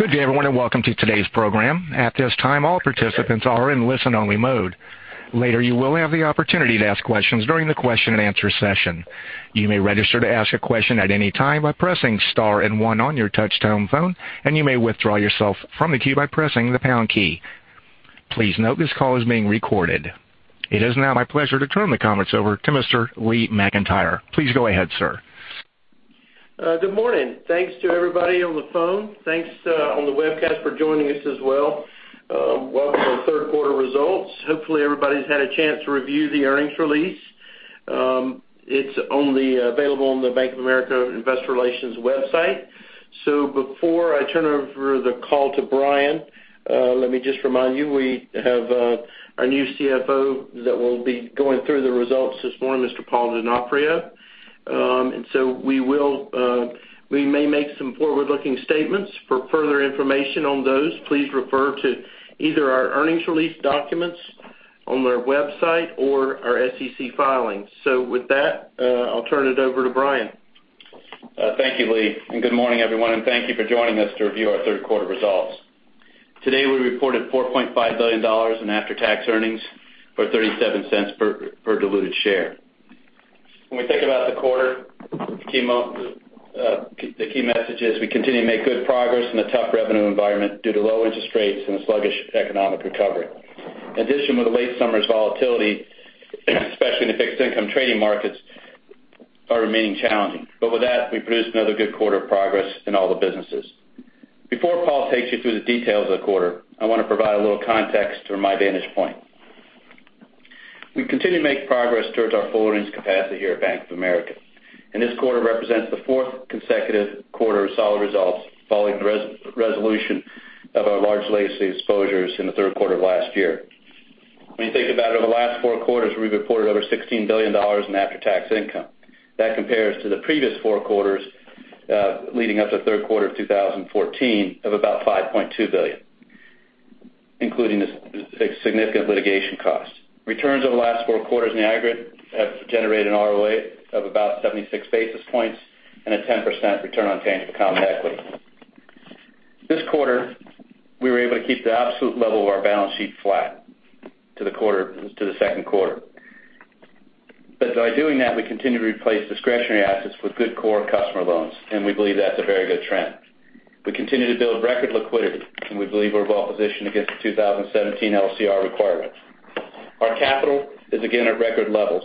Good day, everyone. Welcome to today's program. At this time, all participants are in listen-only mode. Later, you will have the opportunity to ask questions during the question and answer session. You may register to ask a question at any time by pressing star and one on your touch-tone phone, and you may withdraw yourself from the queue by pressing the pound key. Please note this call is being recorded. It is now my pleasure to turn the comments over to Mr. Lee McEntire. Please go ahead, sir. Good morning. Thanks to everybody on the phone. Thanks on the webcast for joining us as well. Welcome to our third-quarter results. Hopefully, everybody's had a chance to review the earnings release. It's available on the Bank of America investor relations website. Before I turn over the call to Brian, let me just remind you, we have our new CFO that will be going through the results this morning, Mr. Paul Donofrio. We may make some forward-looking statements. For further information on those, please refer to either our earnings release documents on our website or our SEC filings. With that, I'll turn it over to Brian. Thank you, Lee. Good morning, everyone, and thank you for joining us to review our third quarter results. Today we reported $4.5 billion in after-tax earnings or $0.37 per diluted share. When we think about the quarter, the key message is we continue to make good progress in a tough revenue environment due to low interest rates and a sluggish economic recovery. In addition, with the late summer's volatility, especially in the fixed income trading markets, are remaining challenging. With that, we produced another good quarter of progress in all the businesses. Before Paul takes you through the details of the quarter, I want to provide a little context from my vantage point. We continue to make progress towards our full earnings capacity here at Bank of America. This quarter represents the fourth consecutive quarter of solid results following the resolution of our large legacy exposures in the third quarter of last year. When you think about it, over the last four quarters, we've reported over $16 billion in after-tax income. That compares to the previous four quarters leading up to third quarter of 2014 of about $5.2 billion, including significant litigation costs. Returns over the last four quarters in aggregate have generated an ROA of about 76 basis points and a 10% return on tangible common equity. This quarter, we were able to keep the absolute level of our balance sheet flat to the second quarter. By doing that, we continue to replace discretionary assets with good core customer loans, and we believe that's a very good trend. We continue to build record liquidity, and we believe we're well-positioned against the 2017 LCR requirement. Our capital is again at record levels,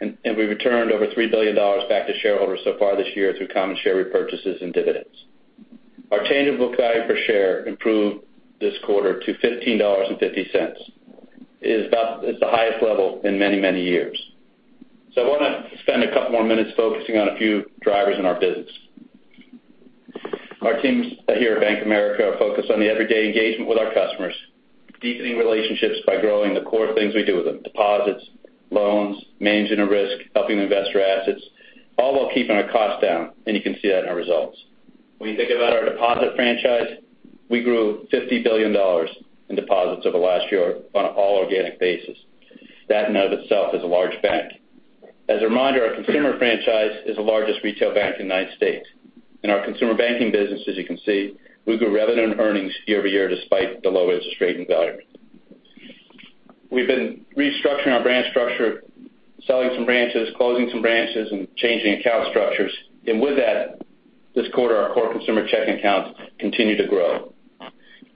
we returned over $3 billion back to shareholders so far this year through common share repurchases and dividends. Our tangible book value per share improved this quarter to $15.50. It's the highest level in many, many years. I want to spend a couple more minutes focusing on a few drivers in our business. Our teams here at Bank of America are focused on the everyday engagement with our customers, deepening relationships by growing the core things we do with them, deposits, loans, managing the risk, helping them invest their assets, all while keeping our cost down. You can see that in our results. When you think about our deposit franchise, we grew $50 billion in deposits over the last year on an all organic basis. That in and of itself is a large bank. As a reminder, our consumer franchise is the largest retail bank in the United States. In our Consumer Banking business, as you can see, we grew revenue and earnings year-over-year despite the low interest rate environment. We've been restructuring our branch structure, selling some branches, closing some branches, and changing account structures. With that, this quarter, our core consumer checking accounts continue to grow.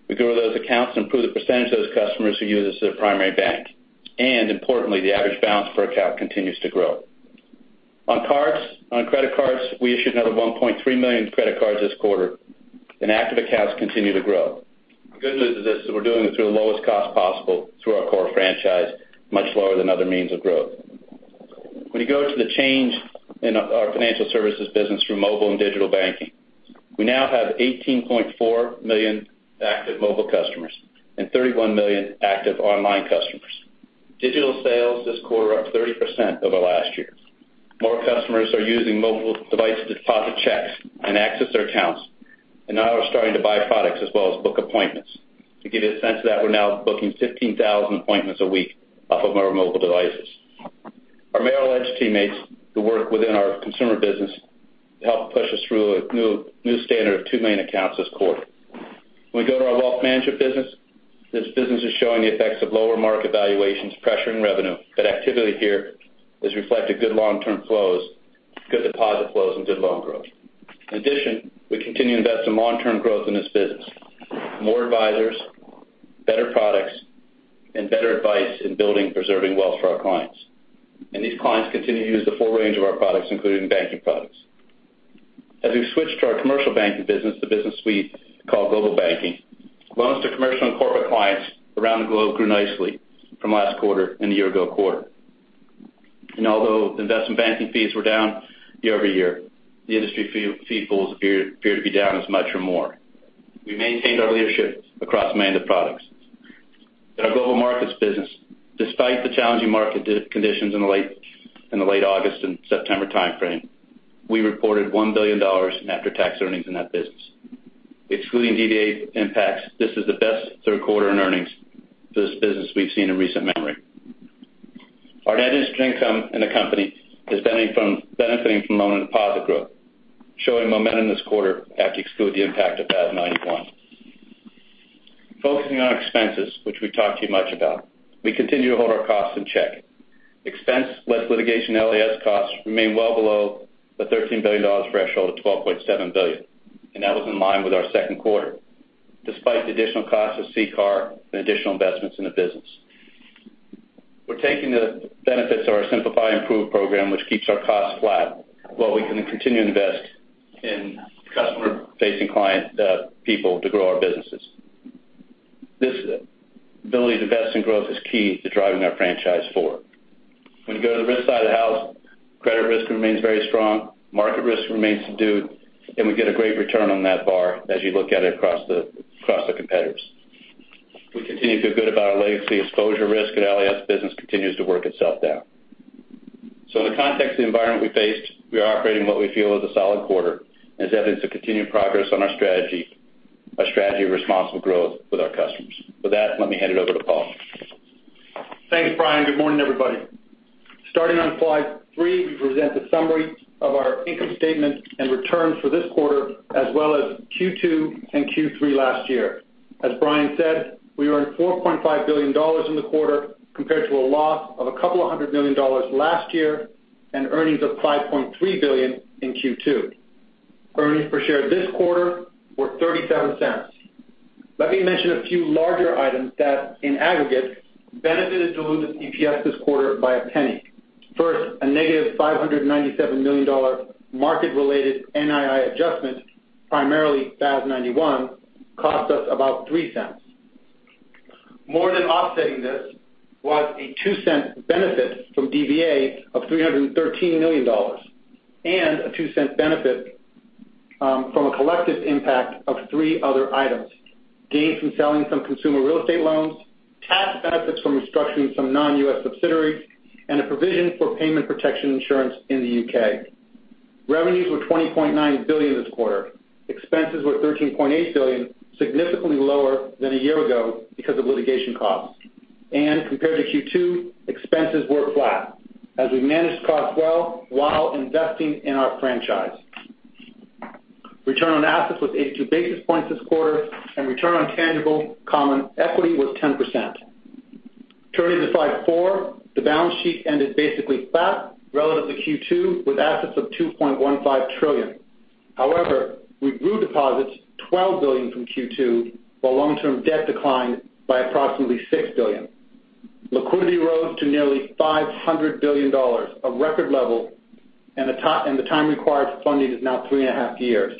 We grew those accounts and improved the percentage of those customers who use us as their primary bank. Importantly, the average balance per account continues to grow. On credit cards, we issued another 1.3 million credit cards this quarter, and active accounts continue to grow. The good news is this, that we're doing it through the lowest cost possible through our core franchise, much lower than other means of growth. When you go to the change in our financial services business through mobile and digital banking, we now have 18.4 million active mobile customers and 31 million active online customers. Digital sales this quarter are up 30% over last year. More customers are using mobile devices to deposit checks and access their accounts, and now are starting to buy products as well as book appointments. To give you a sense of that, we're now booking 15,000 appointments a week off of our mobile devices. Our Merrill Edge teammates who work within our consumer business helped push us through a new standard of 2 million accounts this quarter. When we go to our wealth management business, this business is showing the effects of lower market valuations pressuring revenue, but activity here has reflected good long-term flows, good deposit flows, and good loan growth. In addition, we continue to invest in long-term growth in this business. More advisors, better products, and better advice in building and preserving wealth for our clients. These clients continue to use the full range of our products, including banking products. As we switch to our Global Banking business, the business we call Global Banking, loans to commercial and corporate clients around the globe grew nicely from last quarter and the year-ago quarter. Although investment banking fees were down year-over-year, the industry fee pools appear to be down as much or more. We maintained our leadership across many of the products. In our Global Markets business, despite the challenging market conditions in the late August and September timeframe, we reported $1 billion in after-tax earnings in that business. Excluding DVA impacts, this is the best third quarter in earnings for this business we've seen in recent memory. Our net interest income in the company is benefiting from loan and deposit growth, showing momentum this quarter after exclude the impact of FAS 91. Focusing on expenses, which we talked to you much about, we continue to hold our costs in check. Expense less litigation LAS costs remain well below the $13 billion threshold of $12.7 billion, and that was in line with our second quarter, despite the additional cost of CCAR and additional investments in the business. We're taking the benefits of our Simplify and Improve program, which keeps our costs flat, while we can continue to invest in customer-facing client, people to grow our businesses. This ability to invest in growth is key to driving our franchise forward. When you go to the risk side of the house, credit risk remains very strong, market risk remains subdued, we get a great return on that bar as you look at it across the competitors. We continue to feel good about our legacy exposure risk, and LAS business continues to work itself down. In the context of the environment we faced, we are operating what we feel is a solid quarter and is evidence of continued progress on our strategy of responsible growth with our customers. With that, let me hand it over to Paul. Thanks, Brian. Good morning, everybody. Starting on slide three, we present the summary of our income statement and returns for this quarter, as well as Q2 and Q3 last year. As Brian said, we earned $4.5 billion in the quarter compared to a loss of $200 million last year and earnings of $5.3 billion in Q2. Earnings per share this quarter were $0.37. Let me mention a few larger items that, in aggregate, benefited diluted EPS this quarter by $0.01. First, a negative $597 million market-related NII adjustment, primarily FAS 91, cost us about $0.03. More than offsetting this was a $0.02 benefit from DVA of $313 million and a $0.02 benefit from a collective impact of three other items: gains from selling some consumer real estate loans, tax benefits from restructuring some non-U.S. subsidiaries, and a provision for payment protection insurance in the U.K. Revenues were $20.9 billion this quarter. Expenses were $13.8 billion, significantly lower than a year ago because of litigation costs. Compared to Q2, expenses were flat as we managed costs well while investing in our franchise. Return on assets was 82 basis points this quarter, and return on tangible common equity was 10%. Turning to slide four, the balance sheet ended basically flat relative to Q2, with assets of $2.15 trillion. We grew deposits $12 billion from Q2, while long-term debt declined by approximately $6 billion. Liquidity rose to nearly $500 billion, a record level, and the time required for funding is now three and a half years.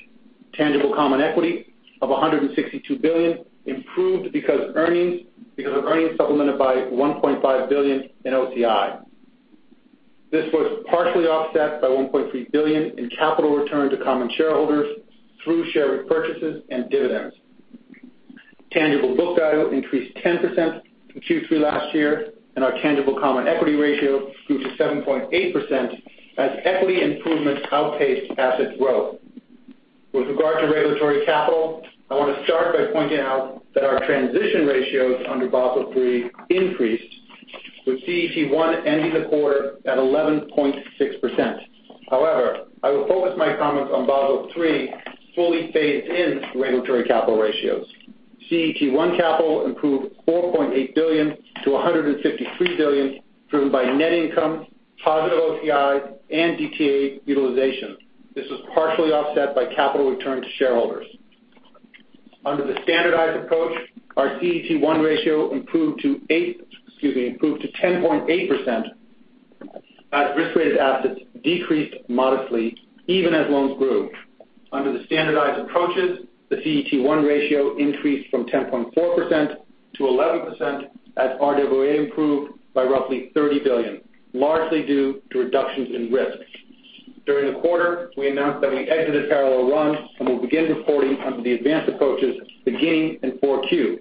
Tangible common equity of $162 billion improved because of earnings supplemented by $1.5 billion in OCI. This was partially offset by $1.3 billion in capital return to common shareholders through share repurchases and dividends. Tangible book value increased 10% from Q3 last year, and our tangible common equity ratio grew to 7.8% as equity improvements outpaced asset growth. With regard to regulatory capital, I want to start by pointing out that our transition ratios under Basel III increased, with CET1 ending the quarter at 11.6%. I will focus my comments on Basel III fully phased in regulatory capital ratios. CET1 capital improved $4.8 billion to $153 billion, driven by net income, positive OCI, and DTA utilization. This was partially offset by capital return to shareholders. Under the standardized approach, our CET1 ratio improved to 10.8% as risk-weighted assets decreased modestly even as loans grew. Under the standardized approaches, the CET1 ratio increased from 10.4% to 11% as RWA improved by roughly $30 billion, largely due to reductions in risk. During the quarter, we announced that we exited Parallel Run and will begin reporting under the advanced approaches beginning in 4Q.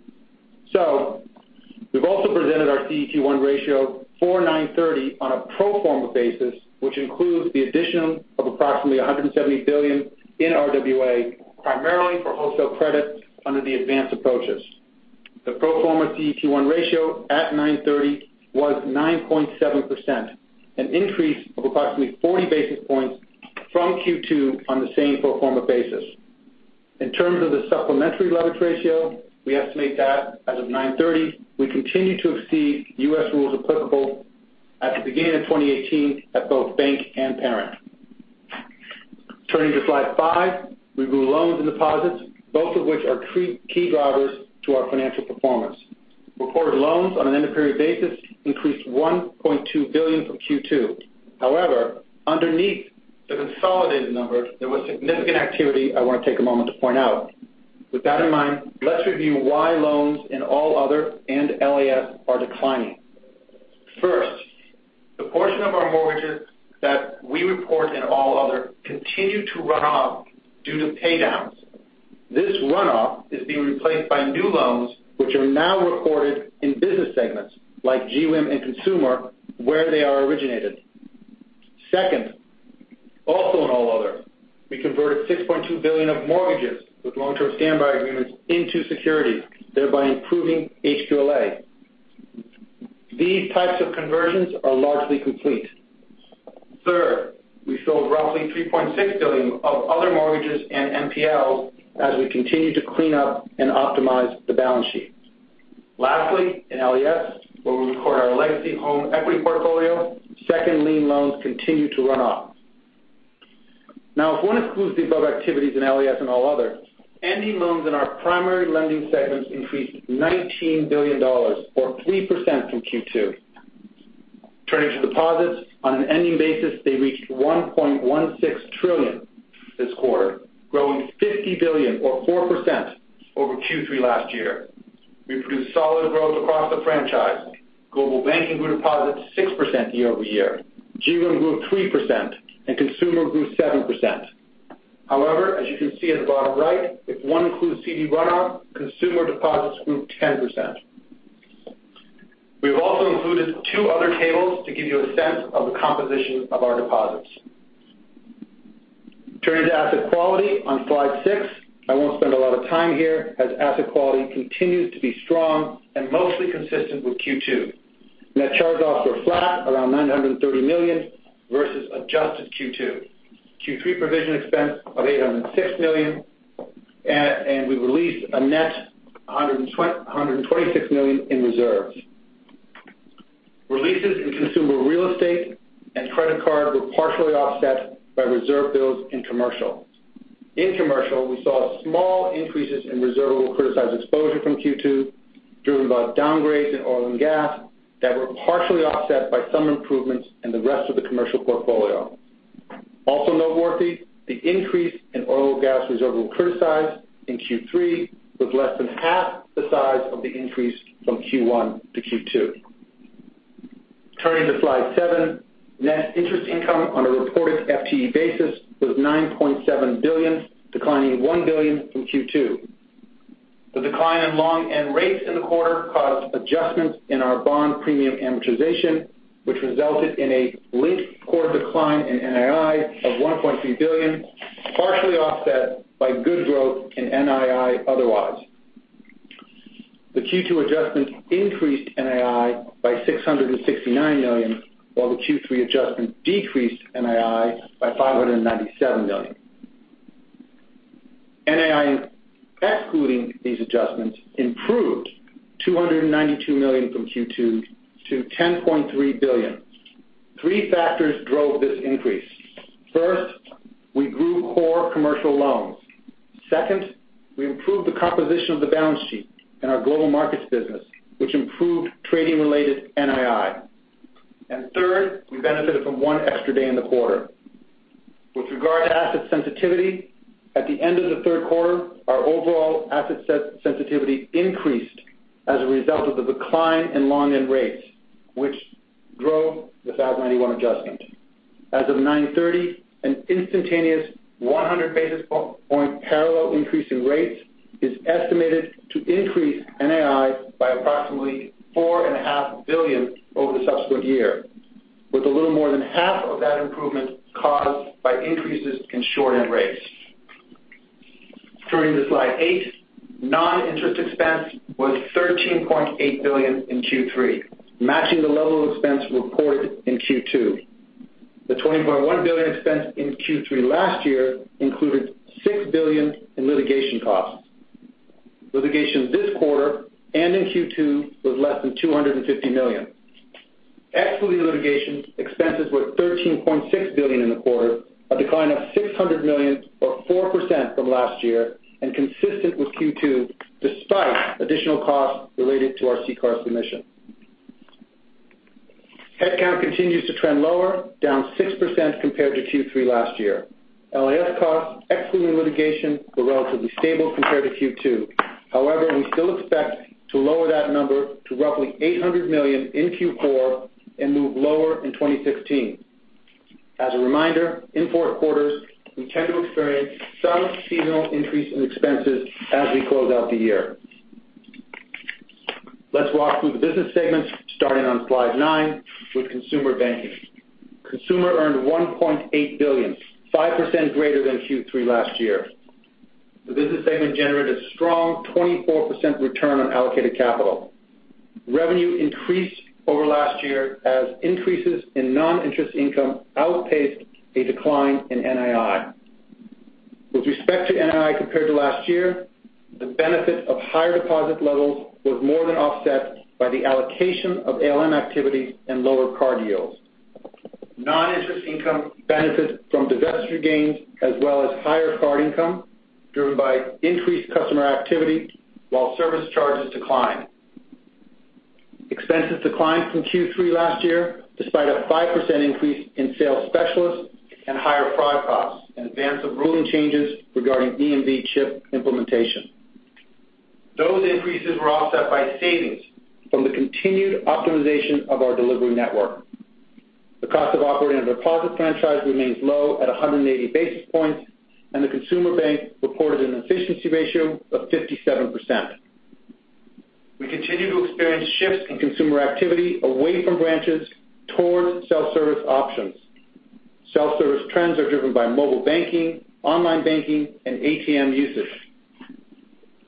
We've also presented our CET1 ratio for 9/30 on a pro forma basis, which includes the addition of approximately $170 billion in RWA, primarily for wholesale credit under the advanced approaches. The pro forma CET1 ratio at 9/30 was 9.7%, an increase of approximately 40 basis points from Q2 on the same pro forma basis. In terms of the supplementary leverage ratio, we estimate that as of 9/30, we continue to exceed U.S. rules applicable at the beginning of 2018 at both Bank and Parent. Turning to slide five. We grew loans and deposits, both of which are key drivers to our financial performance. Reported loans on an end-of-period basis increased $1.2 billion from Q2. Underneath the consolidated numbers, there was significant activity I want to take a moment to point out. With that in mind, let's review why loans in all other and LAS are declining. First, the portion of our mortgages that we report in all other continue to run off due to pay downs. This runoff is being replaced by new loans, which are now reported in business segments like GWIM and Consumer, where they are originated. Second, also converted $6.2 billion of mortgages with long-term standby agreements into securities, thereby improving HQLA. These types of conversions are largely complete. Third, we sold roughly $3.6 billion of other mortgages and NPLs as we continue to clean up and optimize the balance sheet. Lastly, in LAS, where we record our legacy home equity portfolio, second lien loans continue to run off. If one excludes the above activities in LAS and all others, ending loans in our primary lending segments increased $19 billion, or 3% from Q2. Turning to deposits. On an ending basis, they reached $1.16 trillion this quarter, growing $50 billion or 4% over Q3 last year. We've produced solid growth across the franchise. Global Banking grew deposits 6% year-over-year. GWIM grew 3%, and Consumer grew 7%. As you can see at the bottom right, if one includes CD runoff, consumer deposits grew 10%. We've also included two other tables to give you a sense of the composition of our deposits. Turning to asset quality on slide six. I won't spend a lot of time here, as asset quality continues to be strong and mostly consistent with Q2. Net charge-offs were flat, around $930 million versus adjusted Q2. Q3 provision expense of $806 million. We released a net $126 million in reserves. Releases in consumer real estate and credit card were partially offset by reserve builds in commercial. In commercial, we saw small increases in reserve over criticized exposure from Q2, driven by downgrades in oil and gas that were partially offset by some improvements in the rest of the commercial portfolio. Also noteworthy, the increase in oil and gas reserve we criticized in Q3 was less than half the size of the increase from Q1 to Q2. Turning to slide seven. Net interest income on a reported FTE basis was $9.7 billion, declining $1 billion from Q2. The decline in long end rates in the quarter caused adjustments in our bond premium amortization, which resulted in a linked core decline in NII of $1.3 billion, partially offset by good growth in NII otherwise. The Q2 adjustments increased NII by $669 million, while the Q3 adjustment decreased NII by $597 million. NII, excluding these adjustments, improved $292 million from Q2 to $10.3 billion. Three factors drove this increase. First, we grew core commercial loans. Second, we improved the composition of the balance sheet in our Global Markets business, which improved trading-related NII. Third, we benefited from one extra day in the quarter. With regard to asset sensitivity, at the end of the third quarter, our overall asset sensitivity increased as a result of the decline in long-end rates, which grow the FAS 91 adjustment. As of 9/30, an instantaneous 100 basis point parallel increase in rates is estimated to increase NII by approximately four and a half billion over the subsequent year. With a little more than half of that improvement caused by increases in short-end rates. Turning to slide eight. Non-interest expense was $13.8 billion in Q3, matching the level of expense reported in Q2. The $20.1 billion expense in Q3 last year included $6 billion in litigation costs. Litigation this quarter and in Q2 was less than $250 million. Excluding litigation, expenses were $13.6 billion in the quarter, a decline of $600 million or 4% from last year, and consistent with Q2, despite additional costs related to our CCAR submission. Headcount continues to trend lower, down 6% compared to Q3 last year. LAS costs, excluding litigation, were relatively stable compared to Q2. However, we still expect to lower that number to roughly $800 million in Q4 and move lower in 2016. As a reminder, in fourth quarters, we tend to experience some seasonal increase in expenses as we close out the year. Let's walk through the business segments starting on slide nine with Consumer Banking. Consumer earned $1.8 billion, 5% greater than Q3 last year. The business segment generated strong 24% return on allocated capital. Revenue increased over last year as increases in non-interest income outpaced a decline in NII. With respect to NII compared to last year, the benefit of higher deposit levels was more than offset by the allocation of ALM activities and lower card yields. Non-interest income benefits from divestiture gains as well as higher card income driven by increased customer activity while service charges decline. Expenses declined from Q3 last year despite a 5% increase in sales specialists and higher fraud costs in advance of ruling changes regarding EMV chip implementation. Those increases were offset by savings from the continued optimization of our delivery network. The cost of operating the deposit franchise remains low at 180 basis points, and the consumer bank reported an efficiency ratio of 57%. We continue to experience shifts in consumer activity away from branches towards self-service options. Self-service trends are driven by mobile banking, online banking, and ATM usage.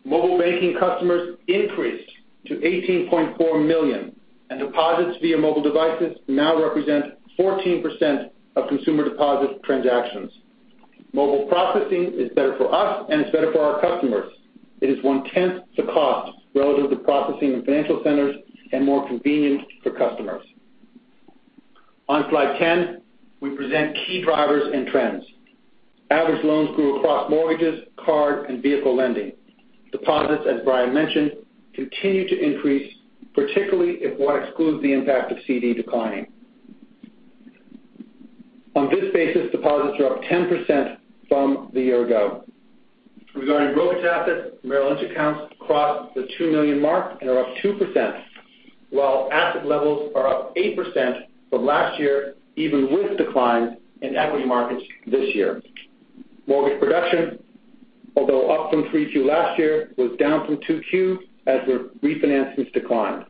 Mobile banking customers increased to 18.4 million, and deposits via mobile devices now represent 14% of consumer deposit transactions. Mobile processing is better for us, and it's better for our customers. It is one-tenth the cost relative to processing in financial centers and more convenient for customers. On slide 10, we present key drivers and trends. Average loans grew across mortgages, card, and vehicle lending. Deposits, as Brian mentioned, continue to increase, particularly if one excludes the impact of CD declining. On this basis, deposits are up 10% from the year ago. Regarding brokerage assets, Merrill Edge accounts crossed the 2 million mark and are up 2%, while asset levels are up 8% from last year even with declines in equity markets this year. Mortgage production, although up from 3Q last year, was down from 2Q as their refinancings declined.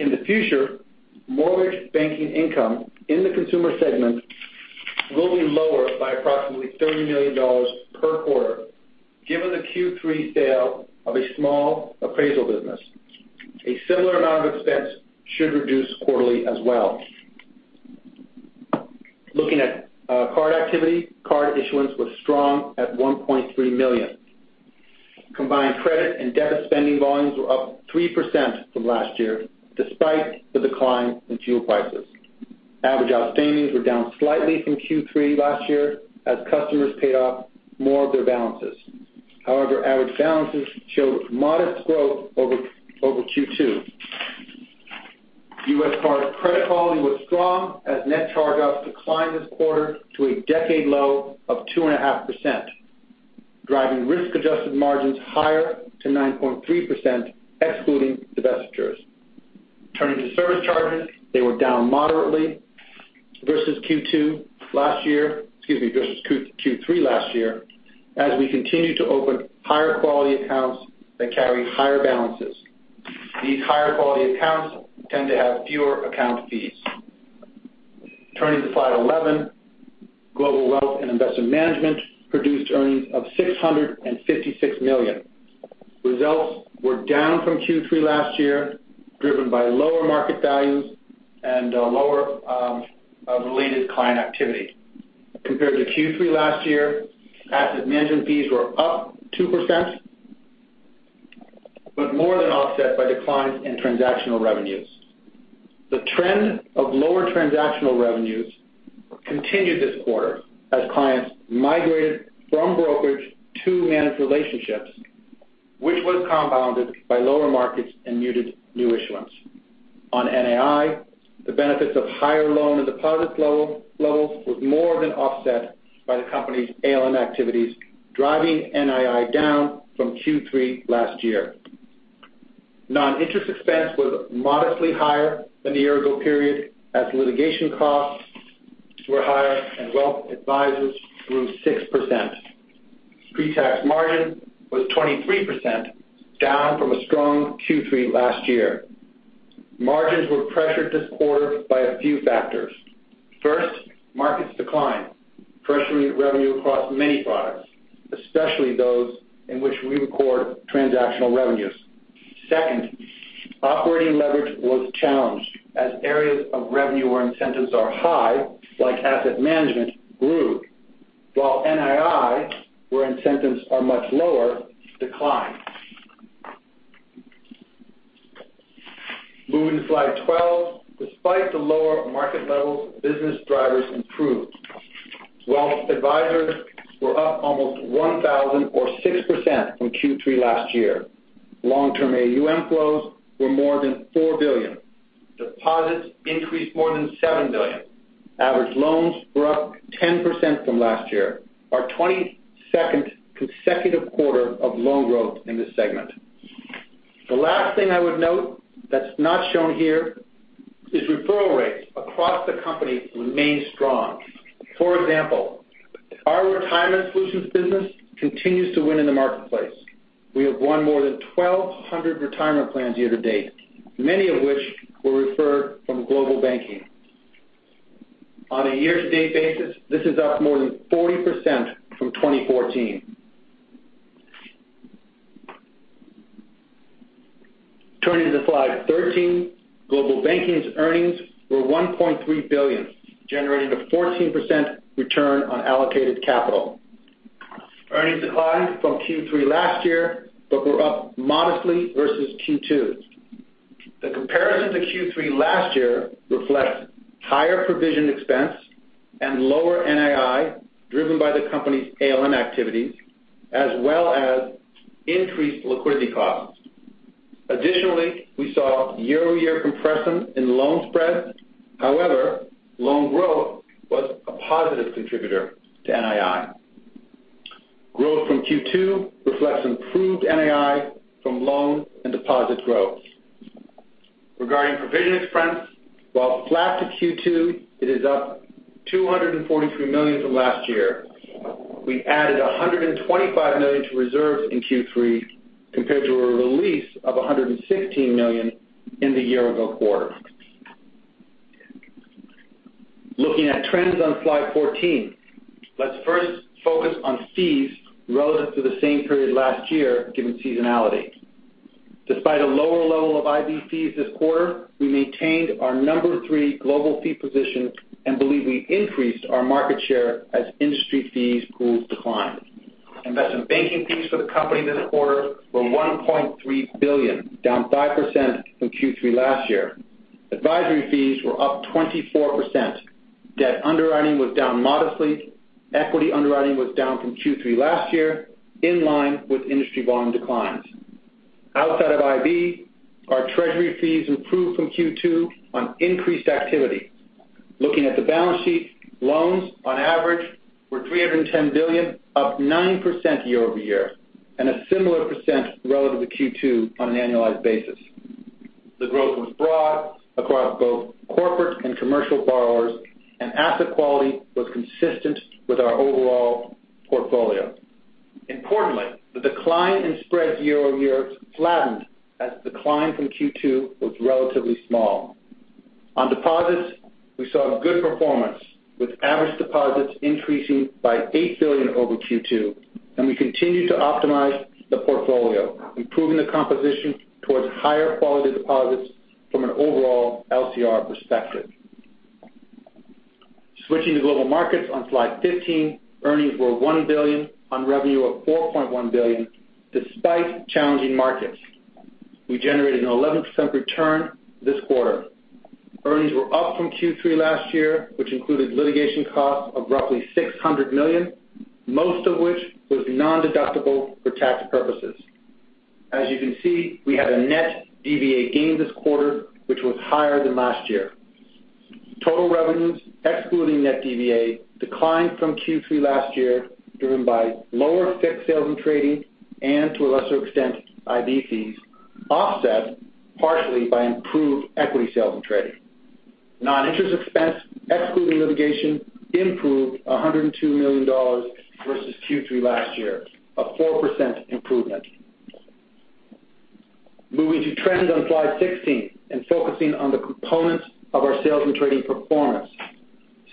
In the future, mortgage banking income in the consumer segment will be lower by approximately $30 million per quarter, given the Q3 sale of a small appraisal business. A similar amount of expense should reduce quarterly as well. Looking at card activity, card issuance was strong at 1.3 million. Combined credit and debit spending volumes were up 3% from last year, despite the decline in fuel prices. Average outstandings were down slightly from Q3 last year as customers paid off more of their balances. However, average balances showed modest growth over Q2. U.S. card credit quality was strong as net charge-offs declined this quarter to a decade low of 2.5%, driving risk-adjusted margins higher to 9.3%, excluding divestitures. Turning to service charges, they were down moderately versus Q3 last year, as we continue to open higher-quality accounts that carry higher balances. These higher-quality accounts tend to have fewer account fees. Turning to slide 11. Global Wealth and Investment Management produced earnings of $656 million. Results were down from Q3 last year, driven by lower market values and lower related client activity. Compared to Q3 last year, asset management fees were up 2%, but more than offset by declines in transactional revenues. The trend of lower transactional revenues continued this quarter as clients migrated from brokerage to managed relationships, which was compounded by lower markets and muted new issuance. On NII, the benefits of higher loan and deposit levels was more than offset by the company's ALM activities, driving NII down from Q3 last year. Non-interest expense was modestly higher than the year-ago period, as litigation costs were higher and wealth advisors grew 6%. Pre-tax margin was 23%, down from a strong Q3 last year. Margins were pressured this quarter by a few factors. First, markets declined, pressuring revenue across many products, especially those in which we record transactional revenues. Second, operating leverage was challenged as areas of revenue where incentives are high, like asset management, grew. While NII, where incentives are much lower, declined. Moving to slide 12. Despite the lower market levels, business drivers improved. Wealth advisors were up almost 1,000 or 6% from Q3 last year. Long-term AUM flows were more than $4 billion. Deposits increased more than $7 billion. Average loans were up 10% from last year, our 22nd consecutive quarter of loan growth in this segment. The last thing I would note that's not shown here is referral rates across the company remain strong. For example, our retirement solutions business continues to win in the marketplace. We have won more than 1,200 retirement plans year to date, many of which were referred from Global Banking. On a year-to-date basis, this is up more than 40% from 2014. Turning to slide 13. Global Banking's earnings were $1.3 billion, generating a 14% return on allocated capital. Earnings declined from Q3 last year but were up modestly versus Q2. The comparison to Q3 last year reflects higher provision expense and lower NII driven by the company's ALM activities as well as increased liquidity costs. Additionally, we saw year-over-year compression in loan spreads. However, loan growth was a positive contributor to NII. Growth from Q2 reflects improved NII from loan and deposit growth. Regarding provision expense, while flat to Q2, it is up $243 million from last year. We added $125 million to reserves in Q3 compared to a release of $116 million in the year ago quarter. Looking at trends on slide 14. Let's first focus on fees relative to the same period last year given seasonality. Despite a lower level of IB fees this quarter, we maintained our number 3 global fee position and believe we increased our market share as industry fee pools declined. Investment banking fees for the company this quarter were $1.3 billion, down 5% from Q3 last year. Advisory fees were up 24%. Debt underwriting was down modestly. Equity underwriting was down from Q3 last year, in line with industry volume declines. Outside of IB, our treasury fees improved from Q2 on increased activity. Looking at the balance sheet, loans on average were $310 billion, up 9% year-over-year, and a similar percent relative to Q2 on an annualized basis. The growth was broad across both corporate and commercial borrowers, and asset quality was consistent with our overall portfolio. Importantly, the decline in spreads year-over-year flattened as the decline from Q2 was relatively small. On deposits, we saw good performance, with average deposits increasing by $8 billion over Q2, and we continue to optimize the portfolio, improving the composition towards higher quality deposits from an overall LCR perspective. Switching to Global Markets on slide 15. Earnings were $1 billion on revenue of $4.1 billion despite challenging markets. We generated an 11% return this quarter. Earnings were up from Q3 last year, which included litigation costs of roughly $600 million, most of which was nondeductible for tax purposes. As you can see, we had a net DVA gain this quarter, which was higher than last year. Total revenues, excluding net DVA, declined from Q3 last year, driven by lower FICC sales and trading, and to a lesser extent, IB fees, offset partially by improved equity sales and trading. Non-interest expense, excluding litigation, improved $102 million versus Q3 last year. A 4% improvement. Moving to trends on slide 16 and focusing on the components of our sales and trading performance.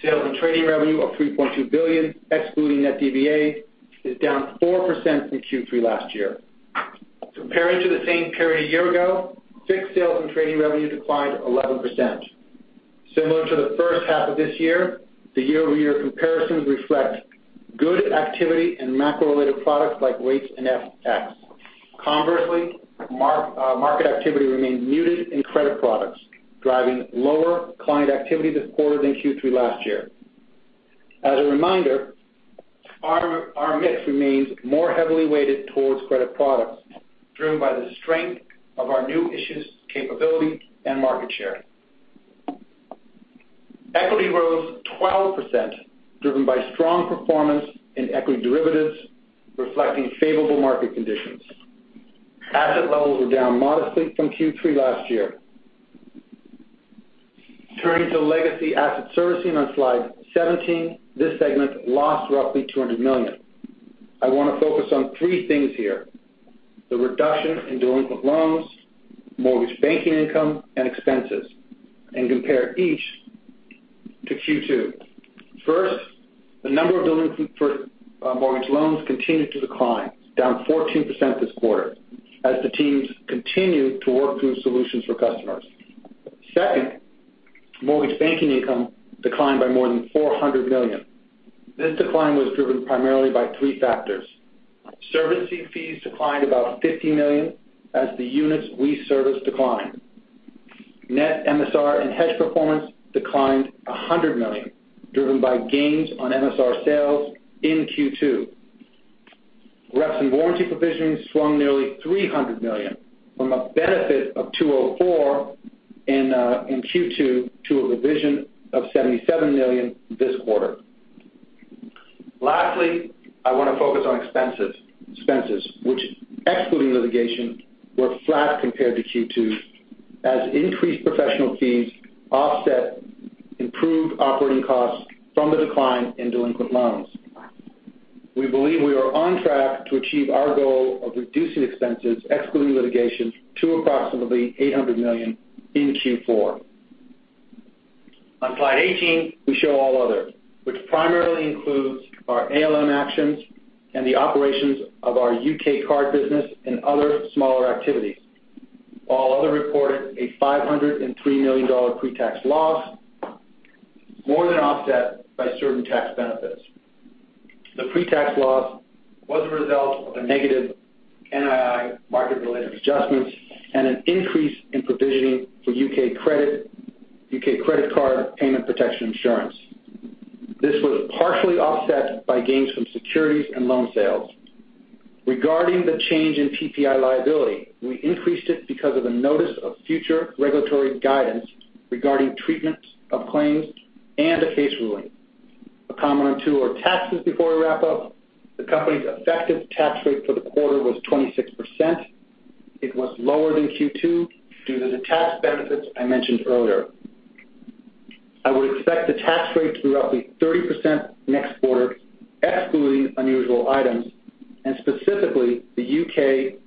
Sales and trading revenue of $3.2 billion, excluding net DVA, is down 4% from Q3 last year. Comparing to the same period a year ago, FICC sales and trading revenue declined 11%. Similar to the first half of this year, the year-over-year comparisons reflect good activity in macro-related products like rates and FX. Conversely, market activity remained muted in credit products, driving lower client activity this quarter than Q3 last year. As a reminder, our mix remains more heavily weighted towards credit products, driven by the strength of our new issues capability and market share. Equity rose 12%, driven by strong performance in equity derivatives reflecting favorable market conditions. Asset levels were down modestly from Q3 last year. Turning to legacy asset servicing on slide 17. This segment lost roughly $200 million. I want to focus on three things here. The reduction in delinquent loans, mortgage banking income, and expenses, and compare each to Q2. First, the number of delinquent mortgage loans continued to decline, down 14% this quarter as the teams continued to work through solutions for customers. Second, mortgage banking income declined by more than $400 million. This decline was driven primarily by three factors. Servicing fees declined about $50 million as the units we service declined. Net MSR and hedge performance declined $100 million, driven by gains on MSR sales in Q2. Reps and warranty provisioning swung nearly $300 million from a benefit of $204 in Q2 to a provision of $77 million this quarter. Lastly, I want to focus on expenses, which excluding litigation, were flat compared to Q2 as increased professional fees offset improved operating costs from the decline in delinquent loans. We believe we are on track to achieve our goal of reducing expenses, excluding litigation, to approximately $800 million in Q4. On slide 18, we show all other, which primarily includes our ALM actions and the operations of our U.K. card business and other smaller activities. All other reported a $503 million pre-tax loss, more than offset by certain tax benefits. The pre-tax loss was a result of a negative NII market-related adjustments and an increase in provisioning for U.K. credit card payment protection insurance. This was partially offset by gains from securities and loan sales. Regarding the change in PPI liability, we increased it because of a notice of future regulatory guidance regarding treatments of claims and a case ruling. A comment or two on taxes before we wrap up. The company's effective tax rate for the quarter was 26%. It was lower than Q2 due to the tax benefits I mentioned earlier. I would expect the tax rate to be roughly 30% next quarter, excluding unusual items and specifically the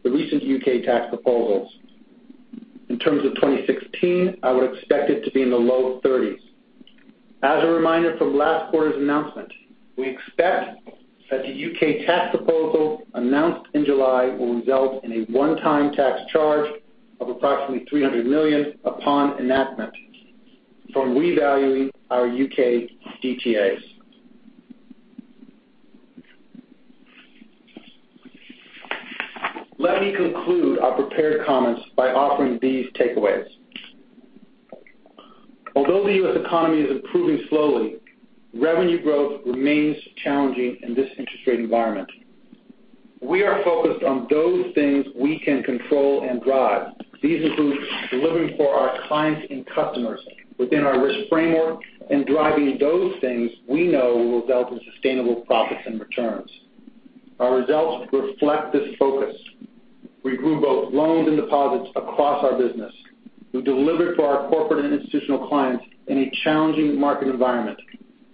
recent U.K. tax proposals. In terms of 2016, I would expect it to be in the low 30s. As a reminder from last quarter's announcement, we expect that the U.K. tax proposal announced in July will result in a one-time tax charge of approximately $300 million upon enactment from revaluing our U.K. DTAs. Let me conclude our prepared comments by offering these takeaways. Although the U.S. economy is improving slowly, revenue growth remains challenging in this interest rate environment. We are focused on those things we can control and drive. These include delivering for our clients and customers within our risk framework and driving those things we know will result in sustainable profits and returns. Our results reflect this focus. We grew both loans and deposits across our business. We delivered to our corporate and institutional clients in a challenging market environment.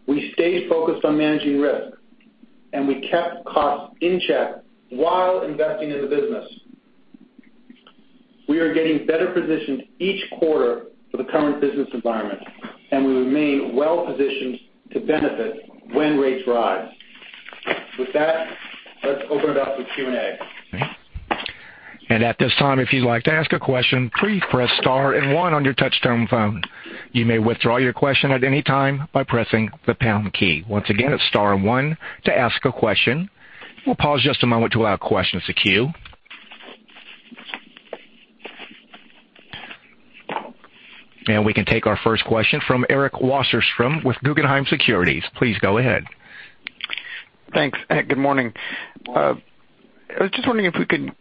We stayed focused on managing risk, and we kept costs in check while investing in the business. We are getting better positioned each quarter for the current business environment, and we remain well-positioned to benefit when rates rise. With that, let's open it up for Q&A. At this time, if you'd like to ask a question, please press star and one on your touch-tone phone. You may withdraw your question at any time by pressing the pound key. Once again, it's star and one to ask a question. We'll pause just a moment to allow questions to queue. We can take our first question from Eric Wasserstrom with Guggenheim Securities. Please go ahead. Thanks. Good morning. I was just wondering if we could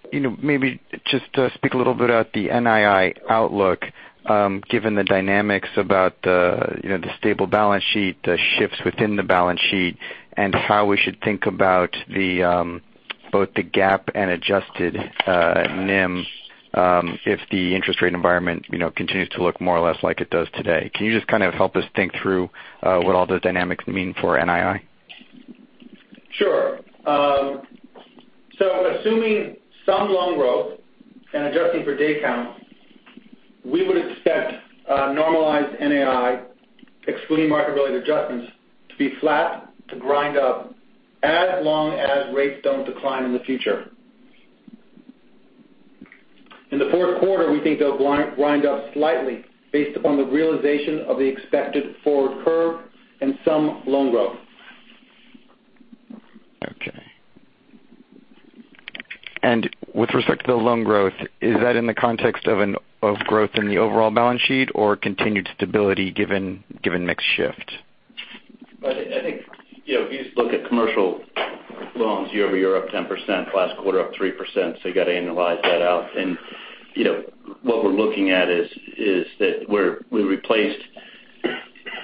maybe just speak a little bit about the NII outlook given the dynamics about the stable balance sheet, the shifts within the balance sheet, and how we should think about both the GAAP and adjusted NIM if the interest rate environment continues to look more or less like it does today. Can you just kind of help us think through what all those dynamics mean for NII? Sure. Assuming some loan growth and adjusting for day count, we would expect normalized NII, excluding market-related adjustments, to be flat to grind up as long as rates don't decline in the future. In the fourth quarter, we think they'll grind up slightly based upon the realization of the expected forward curve and some loan growth. Okay. With respect to the loan growth, is that in the context of growth in the overall balance sheet or continued stability given mix shift? I think if you just look at commercial loans year-over-year, up 10%, last quarter up 3%, so you got to annualize that out. What we're looking at is that we replaced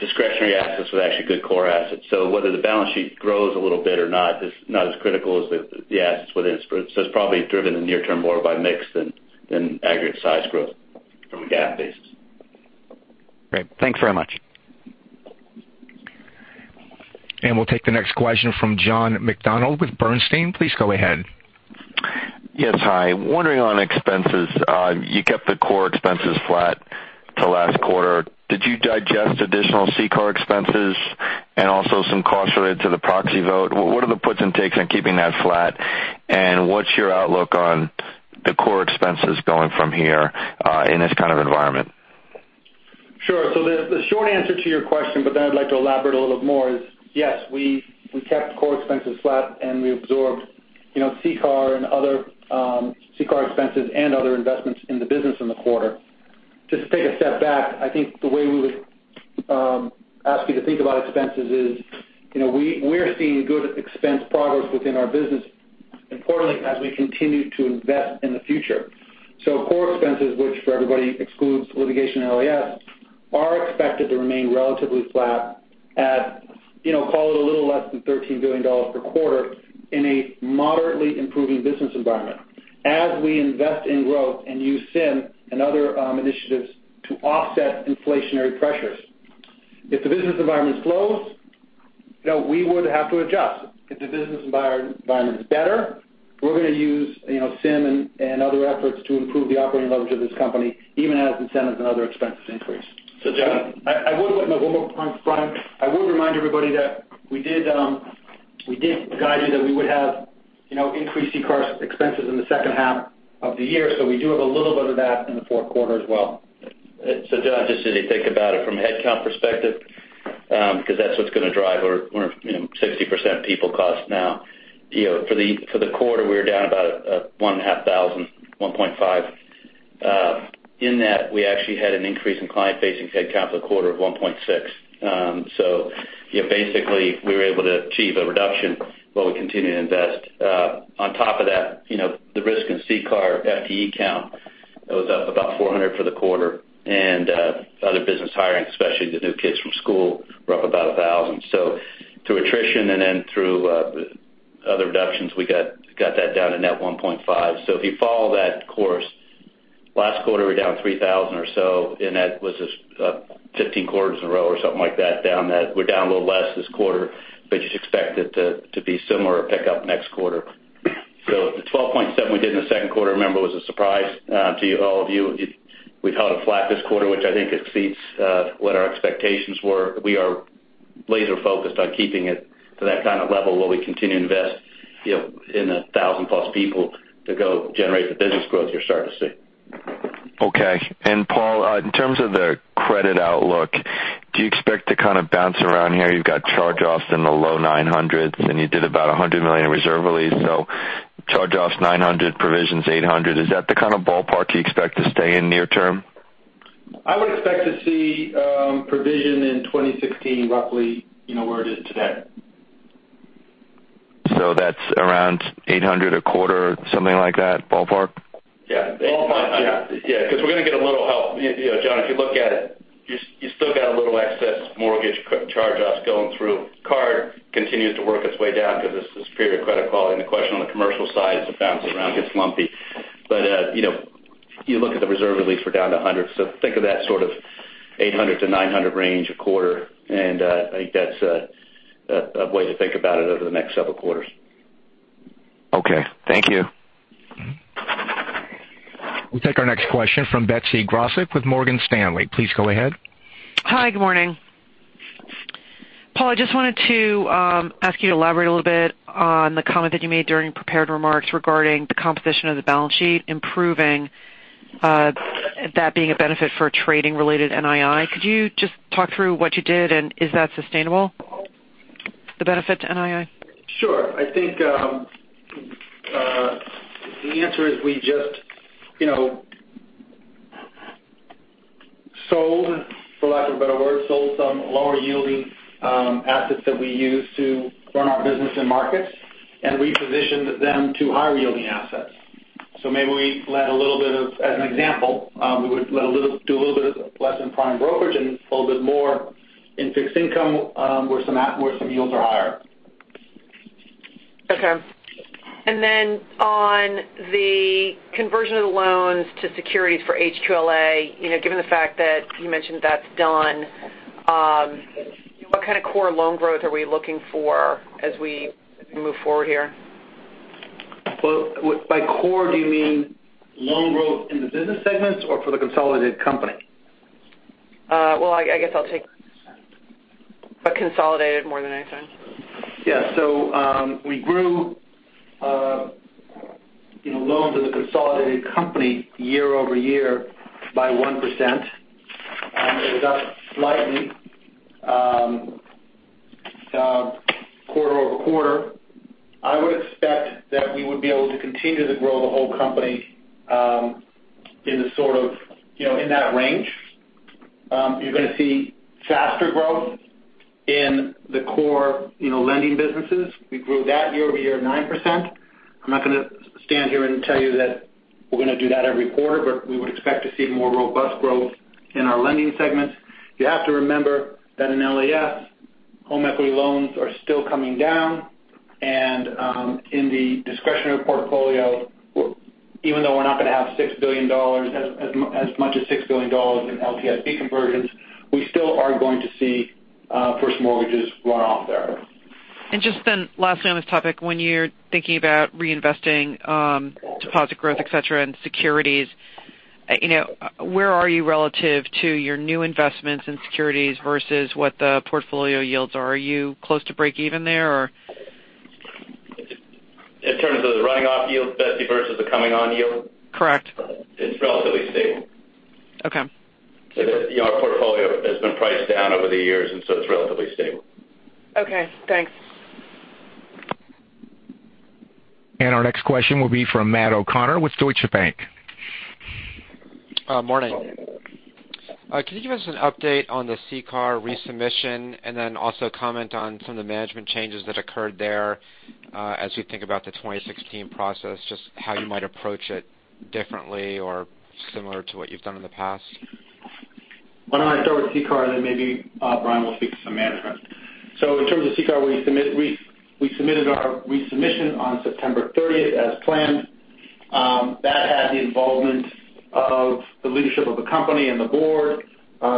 discretionary assets with actually good core assets. Whether the balance sheet grows a little bit or not is not as critical as the assets within it. It's probably driven in the near term more by mix than aggregate size growth from a GAAP basis. Great. Thanks very much. We'll take the next question from John McDonald with Bernstein. Please go ahead. Yes. Hi. Wondering on expenses. You kept the core expenses flat to last quarter. Did you digest additional CCAR expenses and also some costs related to the proxy vote? What are the puts and takes on keeping that flat, and what's your outlook on the core expenses going from here in this kind of environment? Sure. The short answer to your question, I'd like to elaborate a little bit more is, yes, we kept core expenses flat, and we absorbed CCAR expenses and other investments in the business in the quarter. Just to take a step back, I think the way we would ask you to think about expenses is we're seeing good expense progress within our business, importantly, as we continue to invest in the future. Core expenses, which for everybody excludes litigation and LAS, are expected to remain relatively flat at, call it a little less than $13 billion per quarter in a moderately improving business environment as we invest in growth and use SIM and other initiatives to offset inflationary pressures. If the business environment is slow, we would have to adjust. If the business environment is better, we're going to use SIM and other efforts to improve the operating leverage of this company, even as incentives and other expenses increase. John- One more point, Brian. I would remind everybody that we did guide you that we would have increased CCAR expenses in the second half of the year. We do have a little bit of that in the fourth quarter as well. John, just as you think about it from a headcount perspective because that's what's going to drive our 60% people cost now. For the quarter, we were down about 1,500, 1.5. In that, we actually had an increase in client-facing headcount for the quarter of 1.6. Basically, we were able to achieve a reduction while we continue to invest. On top of that, the risk in CCAR FTE count It was up about 400 for the quarter. Other business hiring, especially the new kids from school, were up about 1,000. Through attrition and then through other reductions, we got that down to net 1.5. If you follow that course, last quarter we were down 3,000 or so, and that was 15 quarters in a row or something like that down. We're down a little less this quarter, but just expect it to be similar or pick up next quarter. The 12.7 we did in the 2Q, remember, was a surprise to all of you. We've held it flat this quarter, which I think exceeds what our expectations were. We are laser-focused on keeping it to that kind of level where we continue to invest in 1,000-plus people to go generate the business growth you're starting to see. Okay. Paul, in terms of the credit outlook, do you expect to kind of bounce around here? You've got charge-offs in the low 900s, and you did about $100 million in reserve release. Charge-offs $900 million, provisions $800 million. Is that the kind of ballpark you expect to stay in near term? I would expect to see provision in 2016 roughly where it is today. That's around $800 million a quarter, something like that, ballpark? Ballpark, yeah. Because we're going to get a little help. John, if you look at it, you still got a little excess mortgage charge-offs going through. Card continues to work its way down because of this period of credit quality, and the question on the commercial side is it bouncing around, gets lumpy. You look at the reserve release, we're down to $100. Think of that sort of $800-$900 range a quarter, and I think that's a way to think about it over the next several quarters. Okay. Thank you. We'll take our next question from Betsy Graseck with Morgan Stanley. Please go ahead. Hi, good morning. Paul, I just wanted to ask you to elaborate a little bit on the comment that you made during prepared remarks regarding the composition of the balance sheet improving, that being a benefit for trading-related NII. Could you just talk through what you did, and is that sustainable, the benefit to NII? Sure. I think the answer is we just sold, for lack of a better word, some lower-yielding assets that we use to run our business in markets and repositioned them to higher-yielding assets. Maybe we let a little bit of, as an example, we would do a little bit less in prime brokerage and a little bit more in fixed income where some yields are higher. Okay. Then on the conversion of the loans to securities for HQLA, given the fact that you mentioned that's done, what kind of core loan growth are we looking for as we move forward here? Well, by core, do you mean loan growth in the business segments or for the consolidated company? Well, I guess I'll take a consolidated more than anything. We grew loans in the consolidated company year-over-year by 1%, and it was up slightly quarter-over-quarter. I would expect that we would be able to continue to grow the whole company in that range. You're going to see faster growth in the core lending businesses. We grew that year-over-year 9%. I'm not going to stand here and tell you that we're going to do that every quarter, but we would expect to see more robust growth in our lending segments. You have to remember that in LAS, home equity loans are still coming down. In the discretionary portfolio, even though we're not going to have as much as $6 billion in LTSB conversions, we still are going to see first mortgages run off there. Just lastly on this topic, when you're thinking about reinvesting deposit growth, et cetera, and securities, where are you relative to your new investments in securities versus what the portfolio yields are? Are you close to break even there, or? In terms of the running off yield, Betsy, versus the coming on yield? Correct. It's relatively stable. Okay. Our portfolio has been priced down over the years, and so it's relatively stable. Okay, thanks. Our next question will be from Matthew O'Connor with Deutsche Bank. Morning. Can you give us an update on the CCAR resubmission? Then also comment on some of the management changes that occurred there as you think about the 2016 process, just how you might approach it differently or similar to what you've done in the past. Why don't I start with CCAR, then maybe Brian will speak to some management. In terms of CCAR, we submitted our resubmission on September 30th as planned. That had the involvement of the leadership of the company and the board,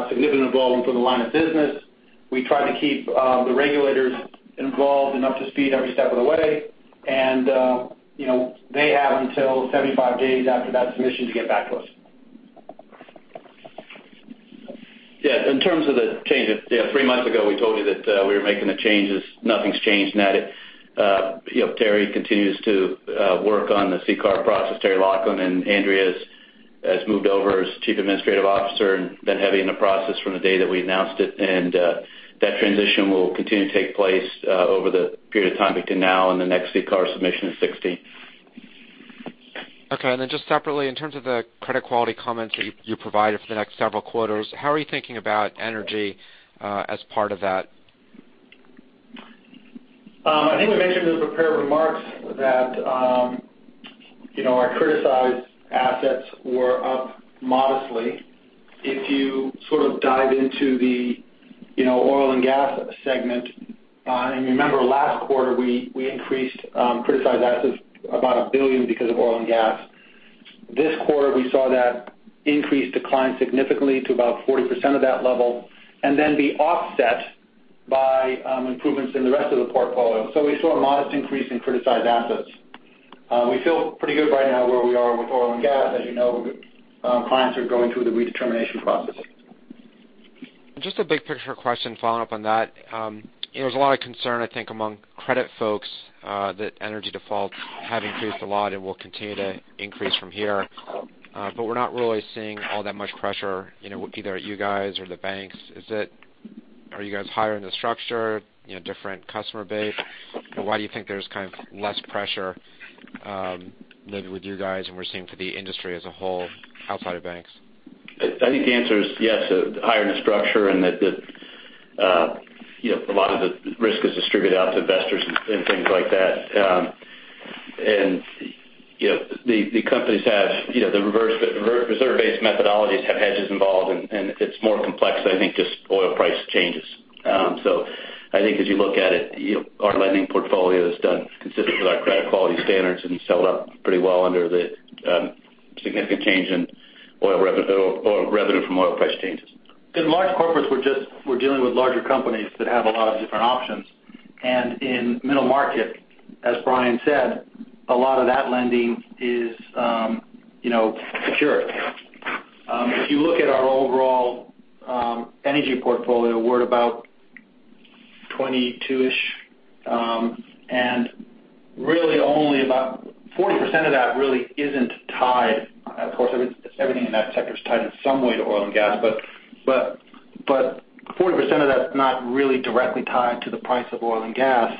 significant involvement from the line of business. We tried to keep the regulators involved and up to speed every step of the way. They have until 75 days after that submission to get back to us. Yes. In terms of the changes, three months ago, we told you that we were making the changes. Nothing's changed. Terry continues to work on the CCAR process, Terry Laughlin, and Andrea has moved over as Chief Administrative Officer and been heavy in the process from the day that we announced it. That transition will continue to take place over the period of time between now and the next CCAR submission in 2016. Okay. Just separately, in terms of the credit quality comments that you provided for the next several quarters, how are you thinking about energy as part of that? I think we mentioned in the prepared remarks that our criticized assets were up modestly. If you sort of dive into the oil and gas segment, and remember last quarter, we increased criticized assets about $1 billion because of oil and gas. This quarter, we saw that increase decline significantly to about 40% of that level, and then be offset by improvements in the rest of the portfolio. We saw a modest increase in criticized assets. We feel pretty good right now where we are with oil and gas. As you know, clients are going through the redetermination processes. Just a big picture question following up on that. There's a lot of concern, I think, among credit folks that energy defaults have increased a lot and will continue to increase from here. We're not really seeing all that much pressure, either at you guys or the banks. Are you guys higher in the structure, different customer base? Why do you think there's kind of less pressure maybe with you guys than we're seeing for the industry as a whole outside of banks? I think the answer is yes, higher in the structure and that a lot of the risk is distributed out to investors and things like that. The companies have the reserve-based methodologies have hedges involved, and it's more complex, I think, just oil price changes. I think as you look at it, our lending portfolio is done consistent with our credit quality standards and held up pretty well under the significant change in revenue from oil price changes. In large corporates, we're dealing with larger companies that have a lot of different options. In middle market, as Brian said, a lot of that lending is secure. If you look at our overall energy portfolio, we're at about 22-ish, and really only about 40% of that really isn't tied. Of course, everything in that sector is tied in some way to oil and gas, but 40% of that's not really directly tied to the price of oil and gas.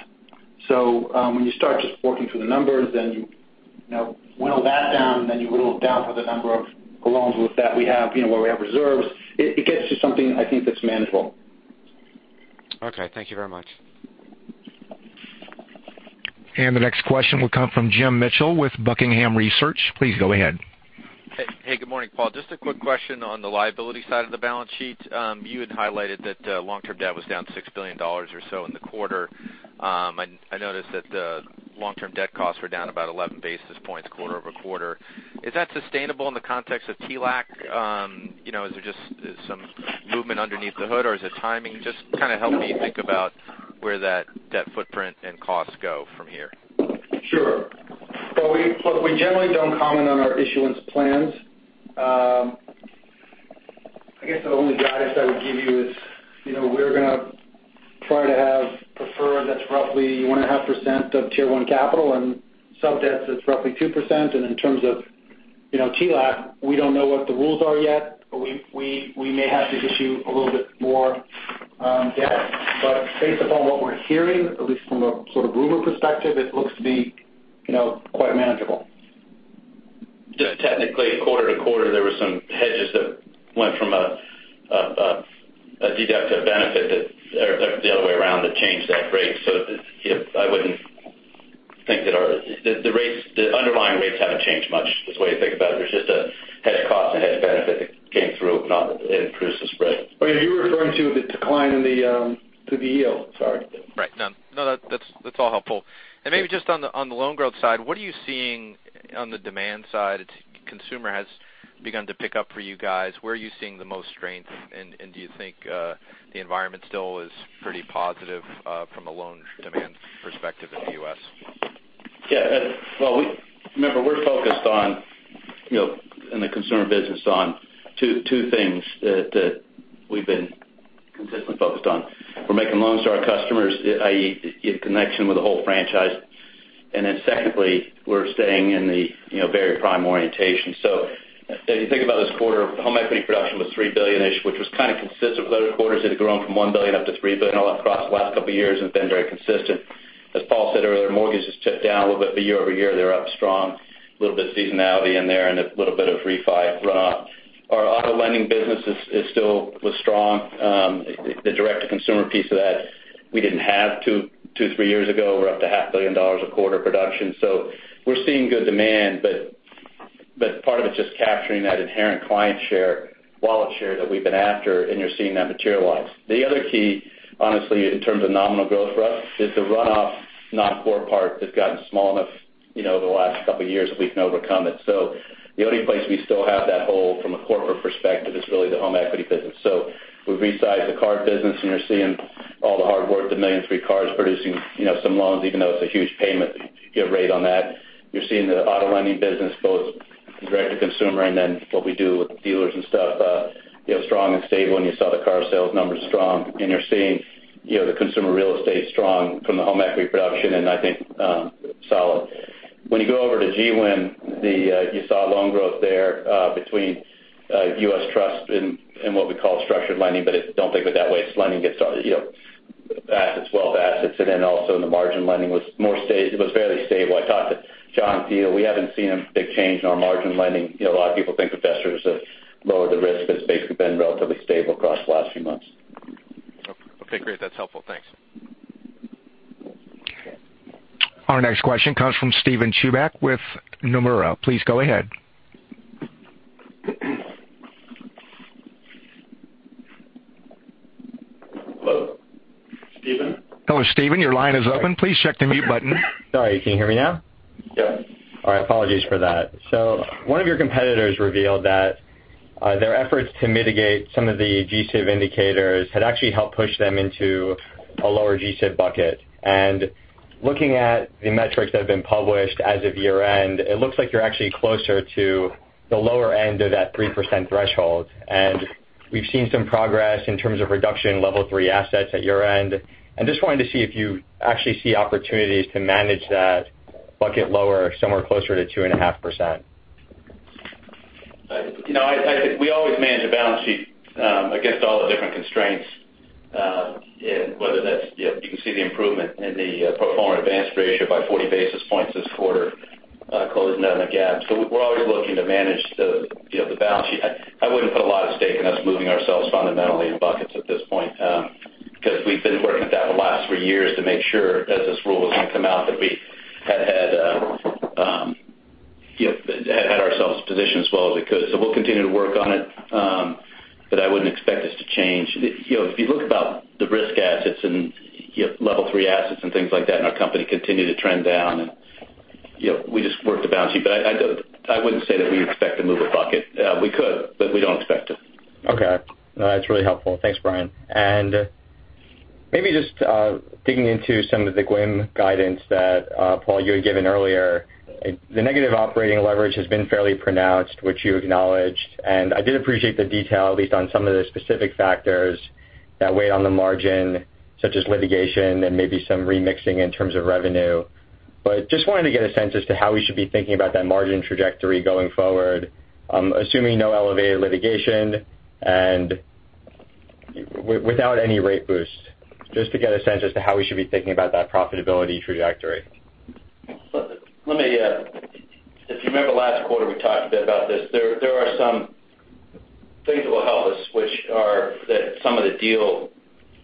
When you start just working through the numbers, then you whittle that down, and then you whittle down to the number of loans with that we have where we have reserves. It gets to something, I think, that's manageable. Okay. Thank you very much. The next question will come from Jim Mitchell with Buckingham Research. Please go ahead. Hey. Good morning, Paul. Just a quick question on the liability side of the balance sheet. You had highlighted that long-term debt was down $6 billion or so in the quarter. I noticed that the long-term debt costs were down about 11 basis points quarter-over-quarter. Is that sustainable in the context of TLAC? Is there just some movement underneath the hood or is it timing? Just kind of help me think about where that footprint and costs go from here. Sure. Well, look, we generally don't comment on our issuance plans. I guess the only guidance I would give you is we're going to try to have preferred that's roughly 1.5% of Tier 1 capital and sub-debt that's roughly 2%. In terms of TLAC, we don't know what the rules are yet, but we may have to issue a little bit more debt. Based upon what we're hearing, at least from a sort of rumor perspective, it looks to be quite manageable. Just technically, quarter-to-quarter, there were some hedges that went from a deduct to a benefit that, or the other way around that changed that rate. I wouldn't think that the underlying rates haven't changed much is the way to think about it. There's just a hedge cost and a hedge benefit that came through and produced a spread. You're referring to the decline in the yield. Sorry. Right. No, that's all helpful. Maybe just on the loan growth side, what are you seeing on the demand side? Consumer has begun to pick up for you guys. Where are you seeing the most strength? Do you think the environment still is pretty positive from a loan demand perspective in the U.S.? Yeah. Well, remember, we're focused on in the consumer business on two things that we've been consistently focused on. We're making loans to our customers, i.e., in connection with the whole franchise. Secondly, we're staying in the very prime orientation. As you think about this quarter, home equity production was $3 billion-ish, which was kind of consistent with other quarters. It had grown from $1 billion up to $3 billion all across the last couple of years and been very consistent. As Paul said earlier, mortgages ticked down a little bit, but year-over-year, they're up strong. A little bit seasonality in there and a little bit of refi runoff. Our auto lending business is still strong. The direct-to-consumer piece of that we didn't have two, three years ago. We're up to half a billion dollars a quarter production. We're seeing good demand, but part of it is just capturing that inherent client share, wallet share that we've been after, and you're seeing that materialize. The other key, honestly, in terms of nominal growth for us is the runoff non-core part that's gotten small enough the last couple of years that we can overcome it. The only place we still have that hole from a corporate perspective is really the home equity business. We've resized the card business, and you're seeing all the hard work, the 1.3 million cards producing some loans, even though it's a huge payment, good rate on that. You're seeing the auto lending business both direct to consumer and then what we do with dealers and stuff, strong and stable. You saw the car sales numbers strong. You're seeing the consumer real estate strong from the home equity production, and I think solid. When you go over to GWIM, you saw loan growth there between U.S. Trust and what we call structured lending. Don't think of it that way. It's lending gets assets, wealth assets. Then also in the margin lending was fairly stable. I talked to John Thiel. We haven't seen a big change in our margin lending. A lot of people think investors have lowered the risk, but it's basically been relatively stable across the last few months. Okay, great. That's helpful. Thanks. Our next question comes from Steven Chubak with Nomura. Please go ahead. Hello? Steven? Hello, Steven. Your line is open. Please check the mute button. Sorry. Can you hear me now? Yes. All right. Apologies for that. One of your competitors revealed that their efforts to mitigate some of the GSIB indicators had actually helped push them into a lower GSIB bucket. Looking at the metrics that have been published as of year-end, it looks like you're actually closer to the lower end of that 3% threshold. We've seen some progress in terms of reduction in level 3 assets at your end. I just wanted to see if you actually see opportunities to manage that bucket lower, somewhere closer to 2.5%. We always manage a balance sheet against all the different constraints, whether that's, you can see the improvement in the proforma advanced ratio by 40 basis points this quarter closing down the gap. We're always looking to manage the balance sheet. I wouldn't put a lot of stake in us moving ourselves fundamentally in buckets at this point, because we've been working at that the last three years to make sure as this rule was going to come out, that we had ourselves positioned as well as we could. We'll continue to work on it. I wouldn't expect us to change. If you look about the risk assets and level 3 assets and things like that in our company continue to trend down, and we just work the balance sheet. I wouldn't say that we expect to move a bucket. We could, but we don't expect to. Okay. No, that's really helpful. Thanks, Brian. Maybe just digging into some of the GWIM guidance that, Paul, you had given earlier. The negative operating leverage has been fairly pronounced, which you acknowledged, and I did appreciate the detail at least on some of the specific factors that weighed on the margin, such as litigation and maybe some remixing in terms of revenue. Just wanted to get a sense as to how we should be thinking about that margin trajectory going forward, assuming no elevated litigation and without any rate boost. Just to get a sense as to how we should be thinking about that profitability trajectory. If you remember last quarter, we talked a bit about this. There are some things that will help us, which are that some of the deal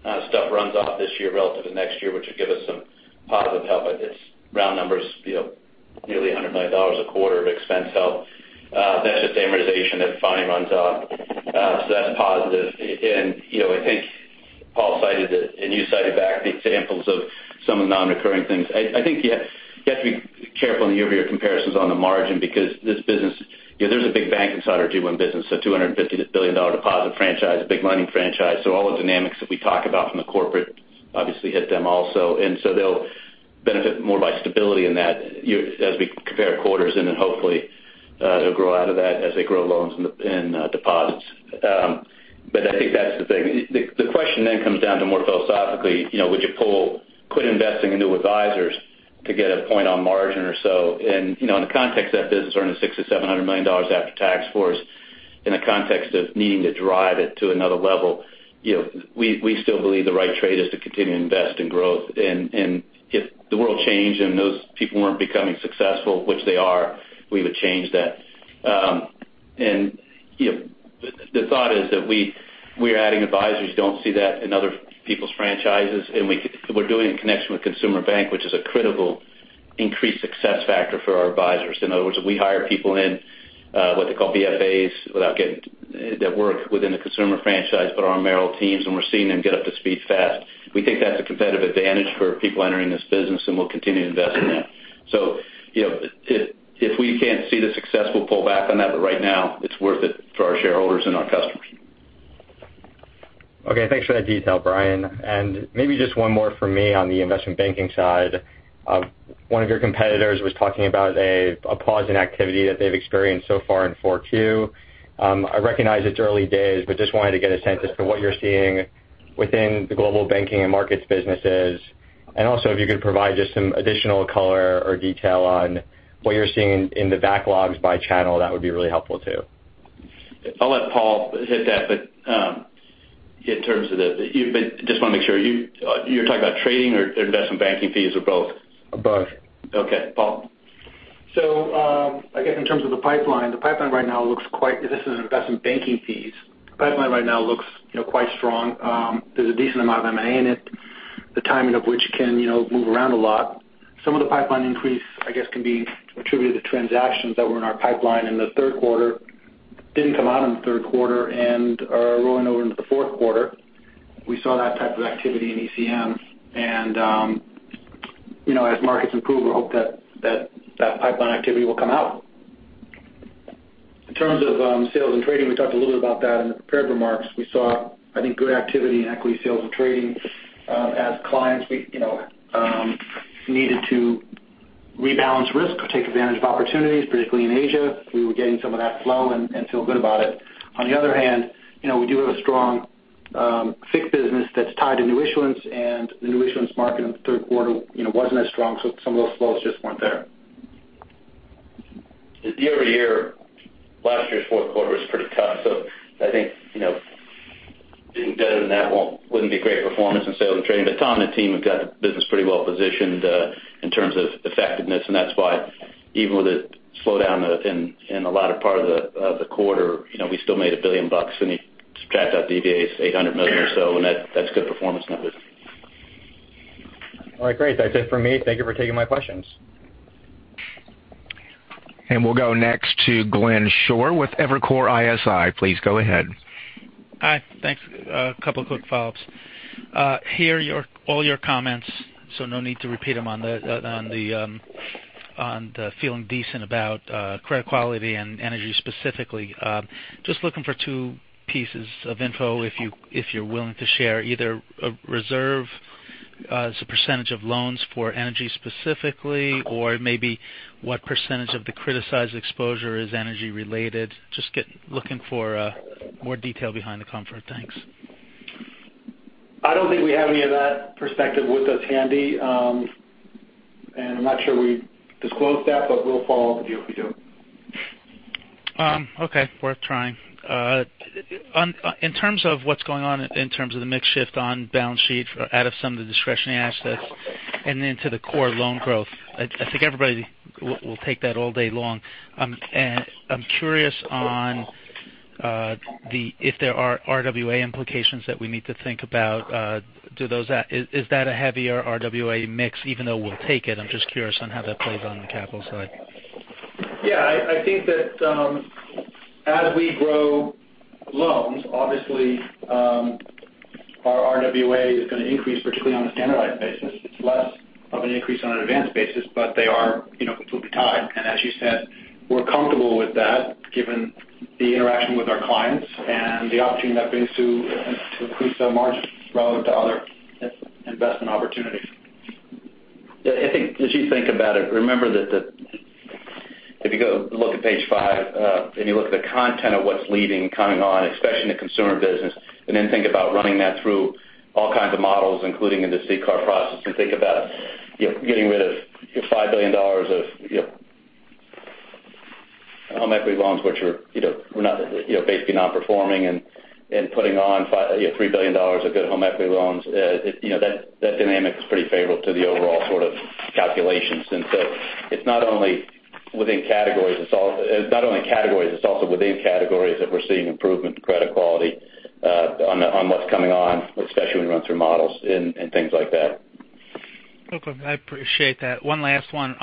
stuff runs off this year relative to next year, which will give us some positive help. It's round numbers, nearly $100 million a quarter of expense help. That's just amortization that finally runs off. That's positive. I think Paul cited it, and you cited back the examples of some of the non-recurring things. I think you have to be careful in the year-over-year comparisons on the margin because this business, there's a big bank inside our GWIM business, $250 billion deposit franchise, a big lending franchise. All the dynamics that we talk about from the corporate obviously hit them also. They'll benefit more by stability in that as we compare quarters hopefully they'll grow out of that as they grow loans and deposits. I think that's the thing. The question comes down to more philosophically, would you quit investing in new advisors to get a point on margin or so? In the context of that business earning $600 million-$700 million after tax for us, in the context of needing to drive it to another level, we still believe the right trade is to continue to invest in growth. If the world changed and those people weren't becoming successful, which they are, we would change that. The thought is that we are adding advisors. You don't see that in other people's franchises. We're doing it in connection with Consumer Banking, which is a critical increased success factor for our advisors. In other words, we hire people in, what they call BFAs, that work within the consumer franchise, but are on Merrill teams, and we're seeing them get up to speed fast. We think that's a competitive advantage for people entering this business, and we'll continue to invest in that. If we can't see the success, we'll pull back on that. Right now, it's worth it for our shareholders and our customers. Okay. Thanks for that detail, Brian. Maybe just one more from me on the investment banking side. One of your competitors was talking about a pause in activity that they've experienced so far in 4Q. I recognize it's early days, but just wanted to get a sense as to what you're seeing within the Global Banking and Global Markets businesses, and also if you could provide just some additional color or detail on what you're seeing in the backlogs by channel, that would be really helpful, too. I'll let Paul hit that. I just want to make sure, you're talking about trading or investment banking fees or both? Both. Okay. Paul? I guess in terms of the pipeline, this is investment banking fees. The pipeline right now looks quite strong. There is a decent amount of M&A in it, the timing of which can move around a lot. Some of the pipeline increase, I guess, can be attributed to transactions that were in our pipeline in the third quarter, didn't come out in the third quarter and are rolling over into the fourth quarter. We saw that type of activity in ECM, and as markets improve, we hope that that pipeline activity will come out. In terms of sales and trading, we talked a little bit about that in the prepared remarks. We saw, I think, good activity in equity sales and trading. As clients needed to rebalance risk or take advantage of opportunities, particularly in Asia, we were getting some of that flow and feel good about it. On the other hand, we do have a strong FICC business that is tied to new issuance, and the new issuance market in the third quarter wasn't as strong, so some of those flows just weren't there. The year-over-year, last year's fourth quarter was pretty tough. I think doing better than that wouldn't be great performance in sales and trading. Tom and the team have got the business pretty well positioned in terms of effectiveness, and that is why even with the slowdown in the latter part of the quarter, we still made $1 billion. Subtract out the DVAs, $800 million or so, and that is good performance numbers. All right, great. That's it for me. Thank you for taking my questions. We'll go next to Glenn Schorr with Evercore ISI. Please go ahead. Hi. Thanks. A couple of quick follow-ups. Hear all your comments, no need to repeat them on the feeling decent about credit quality and energy specifically. Just looking for two pieces of info, if you're willing to share either a reserve as a % of loans for energy specifically, or maybe what % of the criticized exposure is energy related. Just looking for more detail behind the comfort. Thanks. I don't think we have any of that perspective with us handy. I'm not sure we disclosed that, but we'll follow up with you if we do. Okay. Worth trying. In terms of what's going on in terms of the mix shift on balance sheet out of some of the discretionary assets then to the core loan growth, I think everybody will take that all day long. I'm curious on if there are RWA implications that we need to think about. Is that a heavier RWA mix, even though we'll take it? I'm just curious on how that plays on the capital side. Yeah, I think that as we grow loans, obviously, our RWA is going to increase, particularly on a standardized basis. It's less of an increase on an advanced basis, but they are completely tied. As you said, we're comfortable with that given the interaction with our clients and the opportunity that brings to increase our margins relative to other investment opportunities. I think as you think about it, remember that if you go look at page five, you look at the content of what's leaving and coming on, especially in the consumer business, then think about running that through all kinds of models, including in the CCAR process, think about getting rid of $5 billion of home equity loans, which were basically non-performing and putting on $3 billion of good home equity loans. That dynamic is pretty favorable to the overall sort of calculations. So it's not only categories, it's also within categories that we're seeing improvement in credit quality on what's coming on, especially when you run through models and things like that. Okay. I appreciate that. One last one.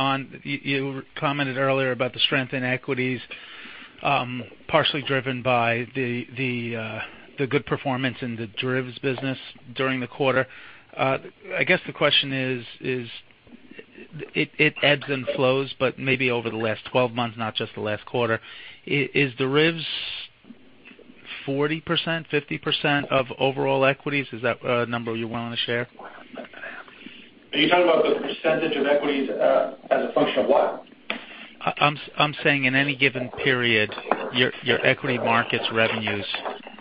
You commented earlier about the strength in equities, partially driven by the good performance in the derivatives business during the quarter. I guess the question is, it ebbs and flows, but maybe over the last 12 months, not just the last quarter. Is derivatives 40%, 50% of overall equities? Is that a number you're willing to share? Are you talking about the percentage of equities as a function of what? I'm saying in any given period, your equity markets revenues,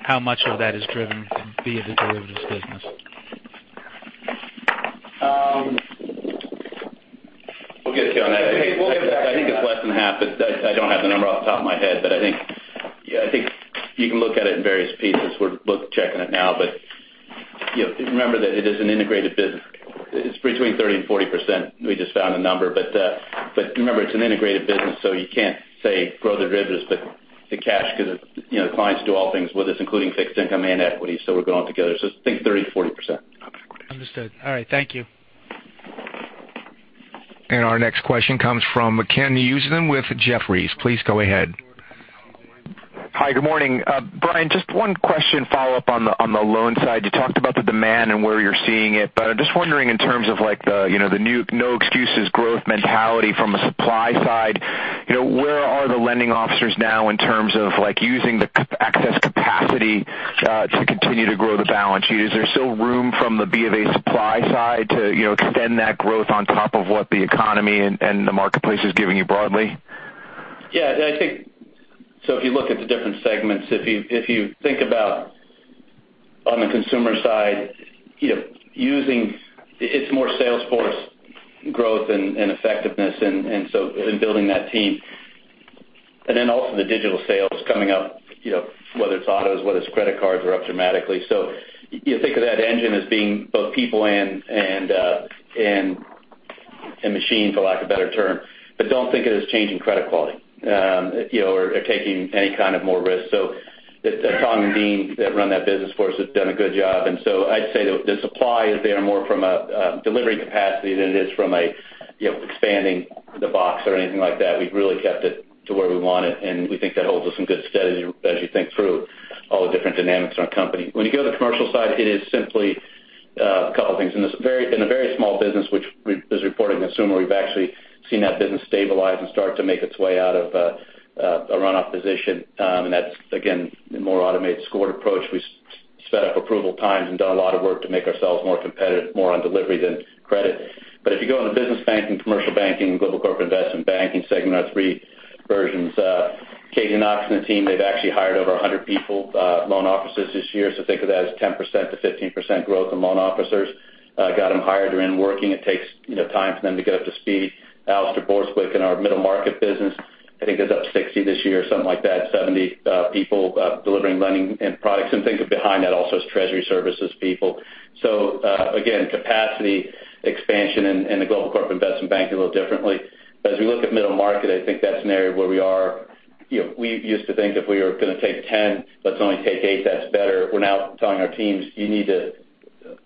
how much of that is driven via the derivatives business? We'll get to you on that. I think it's less than half, but I don't have the number off the top of my head. I think you can look at it in various pieces. We're both checking it now. Remember that it is an integrated business. It's between 30% and 40%. We just found a number. Remember, it's an integrated business, so you can't say grow the derivatives, but the cash because clients do all things with us, including fixed income and equity. We're going all together. I think 30%-40%. Understood. All right. Thank you. Our next question comes from Kenneth Usdin with Jefferies. Please go ahead. Hi, good morning. Brian, just one question follow-up on the loan side. You talked about the demand and where you're seeing it, but I'm just wondering in terms of the no excuses growth mentality from a supply side, where are the lending officers now in terms of using the excess capacity to continue to grow the balance sheet? Is there still room from the B of A supply side to extend that growth on top of what the economy and the marketplace is giving you broadly? Yeah. If you look at the different segments, if you think about on the consumer side, it's more sales force growth and effectiveness and so in building that team. Then also the digital sales coming up, whether it's autos, whether it's credit cards, are up dramatically. You think of that engine as being both people and machine, for lack of a better term. Don't think of it as changing credit quality or taking any kind of more risk. Tom and Dean that run that business for us have done a good job. I'd say the supply is there more from a delivery capacity than it is from expanding the box or anything like that. We've really kept it to where we want it, and we think that holds us in good stead as you think through all the different dynamics in our company. When you go to the commercial side, it is simply a couple of things. In a very small business which is reporting to consumer, we've actually seen that business stabilize and start to make its way out of a runoff position. That's, again, a more automated scored approach. We sped up approval times and done a lot of work to make ourselves more competitive, more on delivery than credit. If you go into business banking, commercial banking, global corporate investment banking segment, our three versions, Katy Knox and the team, they've actually hired over 100 people, loan officers this year. Think of that as 10%-15% growth in loan officers. Got them hired, they're in working. It takes time for them to get up to speed. Alastair Borthwick in our middle market business, I think is up 60 this year, something like that, 70 people delivering lending and products. Think of behind that also as treasury services people. Again, capacity expansion in the global corporate investment bank a little differently. As we look at middle market, I think that's an area where we are. We used to think if we were going to take 10, let's only take eight, that's better. We're now telling our teams,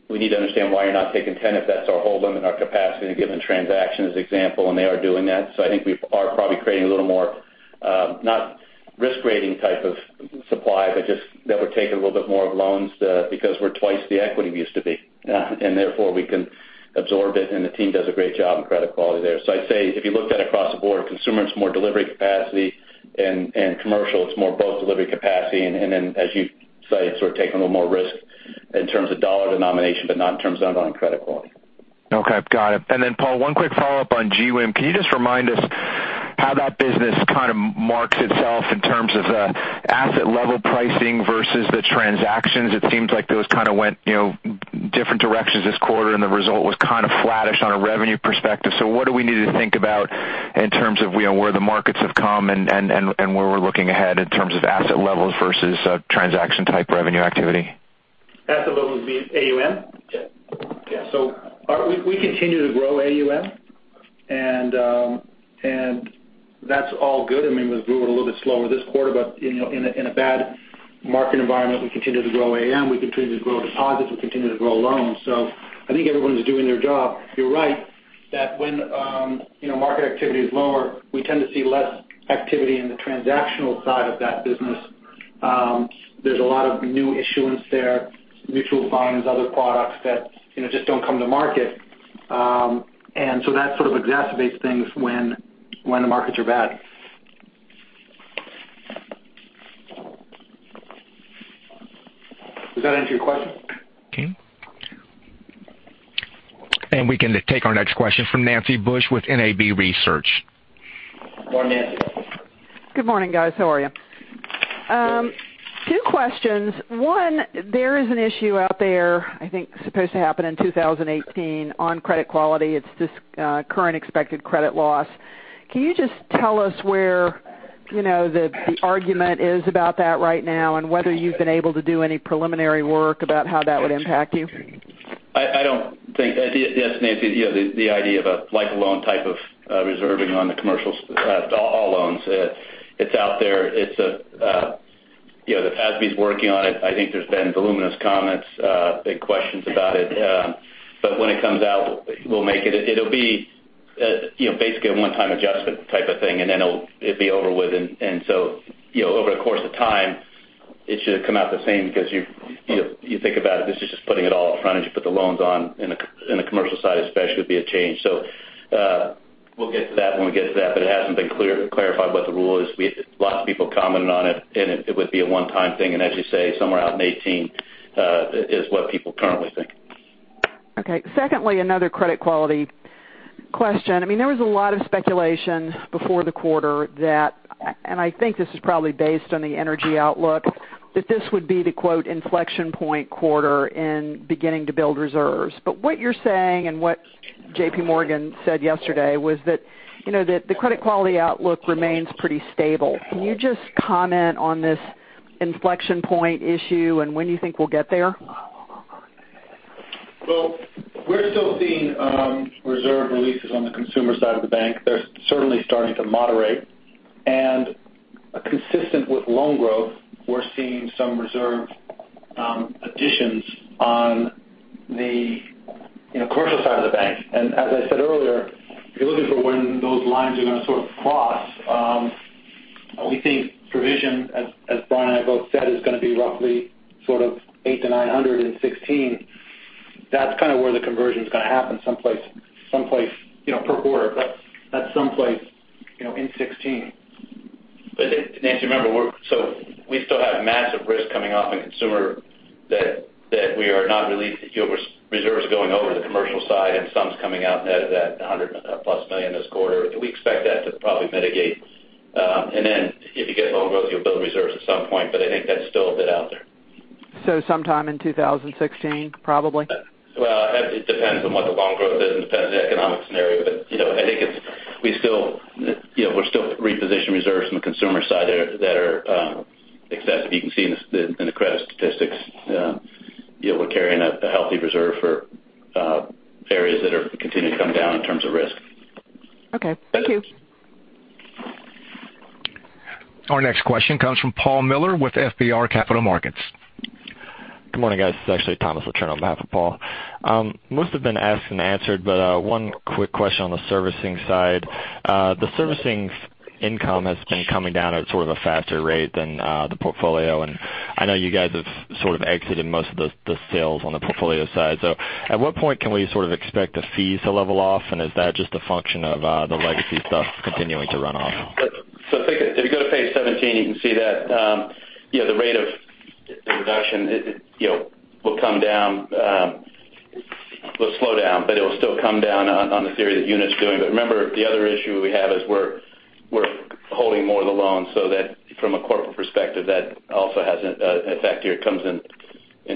we need to understand why you're not taking 10 if that's our whole limit on our capacity in a given transaction, as an example, and they are doing that. I think we are probably creating a little more, not risk-grading type of supply, but just that we're taking a little bit more of loans because we're twice the equity we used to be. Therefore, we can absorb it, and the team does a great job in credit quality there. I'd say if you looked at it across the board, consumer, it's more delivery capacity, and commercial, it's more both delivery capacity. Then as you say, sort of taking a little more risk in terms of dollar denomination, but not in terms of credit quality. Okay. Got it. Then Paul, one quick follow-up on GWIM. Can you just remind us how that business kind of marks itself in terms of asset level pricing versus the transactions? It seems like those kind of went different directions this quarter, and the result was kind of flattish on a revenue perspective. What do we need to think about in terms of where the markets have come and where we're looking ahead in terms of asset levels versus transaction type revenue activity? Asset level would be AUM? Yeah. We continue to grow AUM, and that's all good. I mean, we grew it a little bit slower this quarter, but in a bad market environment, we continue to grow AUM, we continue to grow deposits, we continue to grow loans. I think everyone's doing their job. You're right, that when market activity is lower, we tend to see less activity in the transactional side of that business. There's a lot of new issuance there, mutual funds, other products that just don't come to market. That sort of exacerbates things when the markets are bad. Does that answer your question? Okay. We can take our next question from Nancy Bush with NAB Research. Morning, Nancy. Good morning, guys. How are you? Good. Two questions. One, there is an issue out there, I think supposed to happen in 2018 on credit quality. It's this Current Expected Credit Loss. Can you just tell us where the argument is about that right now and whether you've been able to do any preliminary work about how that would impact you? Yes, Nancy. The idea of a like-loan type of reserving on all loans. It's out there. The FASB's working on it. I think there's been voluminous comments and questions about it. When it comes out, we'll make it. It'll be basically a one-time adjustment type of thing, then it'll be over with. Over the course of time, it should come out the same because you think about it, this is just putting it all up front as you put the loans on in the commercial side especially would be a change. We'll get to that when we get to that, but it hasn't been clarified what the rule is. Lots of people commented on it, and it would be a one-time thing. As you say, somewhere out in 2018, is what people currently think. Okay. Secondly, another credit quality question. There was a lot of speculation before the quarter that, and I think this is probably based on the energy outlook, that this would be the quote, inflection point quarter in beginning to build reserves. What you're saying and what JPMorgan said yesterday was that the credit quality outlook remains pretty stable. Can you just comment on this inflection point issue, and when do you think we'll get there? Well, we're still seeing reserve releases on the Consumer Banking side of the bank. They're certainly starting to moderate. Consistent with loan growth, we're seeing some reserve additions on the Global Banking side of the bank. As I said earlier, if you're looking for when those lines are going to sort of cross, we think provision, as Brian and I both said, is going to be roughly $800-$900 in 2016. That's kind of where the conversion is going to happen someplace per quarter. That's someplace in 2016. Nancy, remember, we still have massive risk coming off in Consumer Banking that we are not released reserves going over to the Global Banking side and sums coming out net of that $100 million-plus this quarter. We expect that to probably mitigate. If you get loan growth, you'll build reserves at some point, I think that's still a bit out there. Sometime in 2016, probably? Well, it depends on what the loan growth is and depends on the economic scenario. I think we're still repositioning reserves from the Consumer Banking side that are excessive. You can see in the credit statistics. We're carrying a healthy reserve for areas that continue to come down in terms of risk. Okay. Thank you. Our next question comes from Paul Miller with FBR Capital Markets. Good morning, guys. This is actually Thomas on behalf of Paul. Most have been asked and answered, but one quick question on the servicing side. At what point can we sort of expect the fees to level off, and is that just a function of the legacy stuff continuing to run off? If you go to page 17, you can see that the rate of reduction will come down. It will slow down, but it will still come down on the theory that unit's doing. Remember, the other issue we have is we're holding more of the loans, so that from a corporate perspective, that also has an effect here. It comes in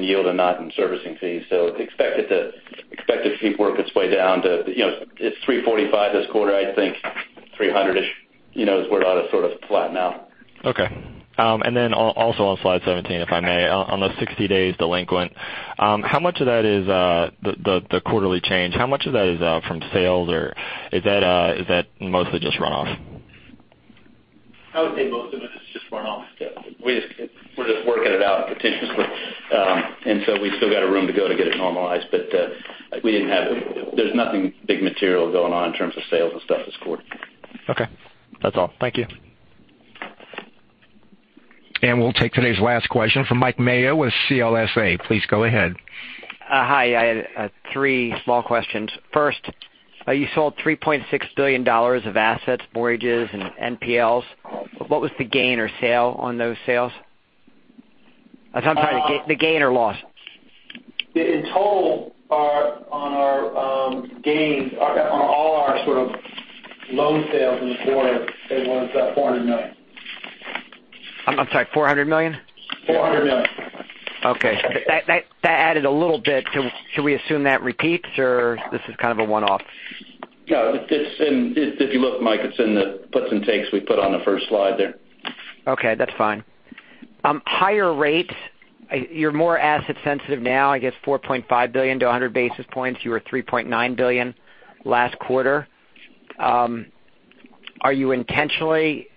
yield and not in servicing fees. Expect the fee to work its way down. It's $345 this quarter. I think $300-ish is where it ought to sort of flatten out. Okay. Also on slide 17, if I may. On those 60 days delinquent, the quarterly change, how much of that is from sales, or is that mostly just runoff? I would say most of it is just one-off. We're just working it out meticulously. We still got room to go to get it normalized. There's nothing big material going on in terms of sales and stuff this quarter. Okay. That's all. Thank you. We'll take today's last question from Mike Mayo with CLSA. Please go ahead. Hi. I had three small questions. First, you sold $3.6 billion of assets, mortgages, and NPLs. What was the gain or sale on those sales? I'm sorry, the gain or loss. In total, on our gains, on all our sort of loan sales in the quarter, it was $400 million. I'm sorry, $400 million? $400 million. Okay. That added a little bit. Should we assume that repeats or this is kind of a one-off? No. If you look, Mike, it's in the puts and takes we put on the first slide there. Okay, that's fine. Higher rates. You're more asset sensitive now, I guess $4.5 billion to 100 basis points. You were $3.9 billion last quarter.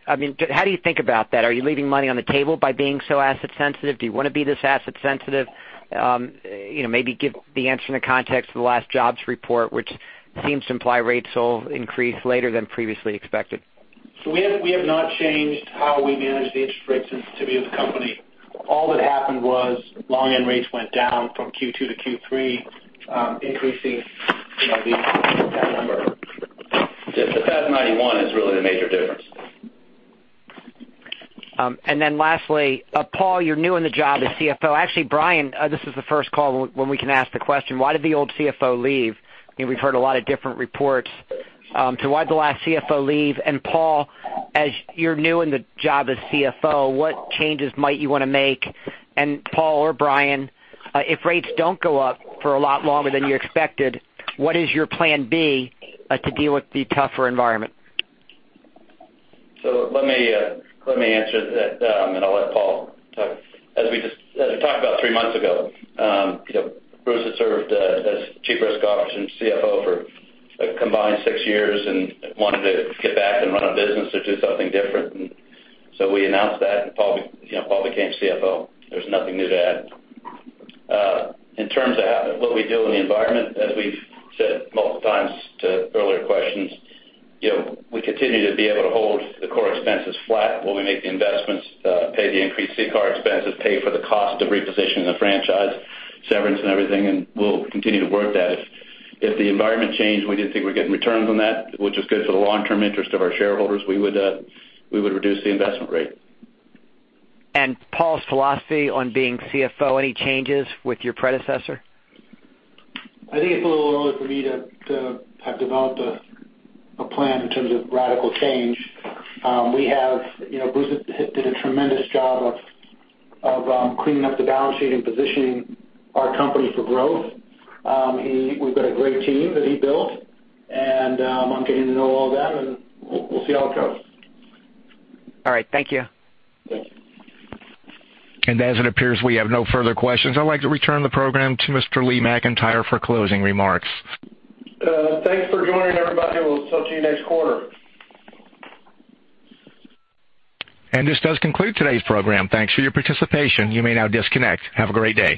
How do you think about that? Are you leaving money on the table by being so asset sensitive? Do you want to be this asset sensitive? Maybe give the answer in the context of the last jobs report, which seems to imply rates will increase later than previously expected. We have not changed how we manage the interest rates and stability of the company. All that happened was long-end rates went down from Q2 to Q3, increasing that number. The FAS 91 is really the major difference. Lastly, Paul, you're new in the job as CFO. Actually, Brian, this is the first call when we can ask the question. Why did the old CFO leave? We've heard a lot of different reports. Why did the last CFO leave? Paul, as you're new in the job as CFO, what changes might you want to make? Paul or Brian, if rates don't go up for a lot longer than you expected, what is your plan B to deal with the tougher environment? Let me answer that, I'll let Paul talk. As we talked about three months ago, Bruce had served as Chief Risk Officer and CFO for a combined six years and wanted to get back and run a business or do something different. We announced that, Paul became CFO. There's nothing new to add. In terms of what we do in the environment, as we've said multiple times to earlier questions, we continue to be able to hold the core expenses flat while we make the investments, pay the increased CCAR expenses, pay for the cost of repositioning the franchise, severance and everything, we'll continue to work that. If the environment changed and we didn't think we're getting returns on that, which is good for the long-term interest of our shareholders, we would reduce the investment rate. Paul's philosophy on being CFO, any changes with your predecessor? I think it's a little early for me to have developed a plan in terms of radical change. Bruce did a tremendous job of cleaning up the balance sheet and positioning our company for growth. We've got a great team that he built, I'm getting to know all of them, we'll see how it goes. All right. Thank you. As it appears, we have no further questions. I'd like to return the program to Mr. Lee McEntire for closing remarks. Thanks for joining, everybody. We'll talk to you next quarter. This does conclude today's program. Thanks for your participation. You may now disconnect. Have a great day.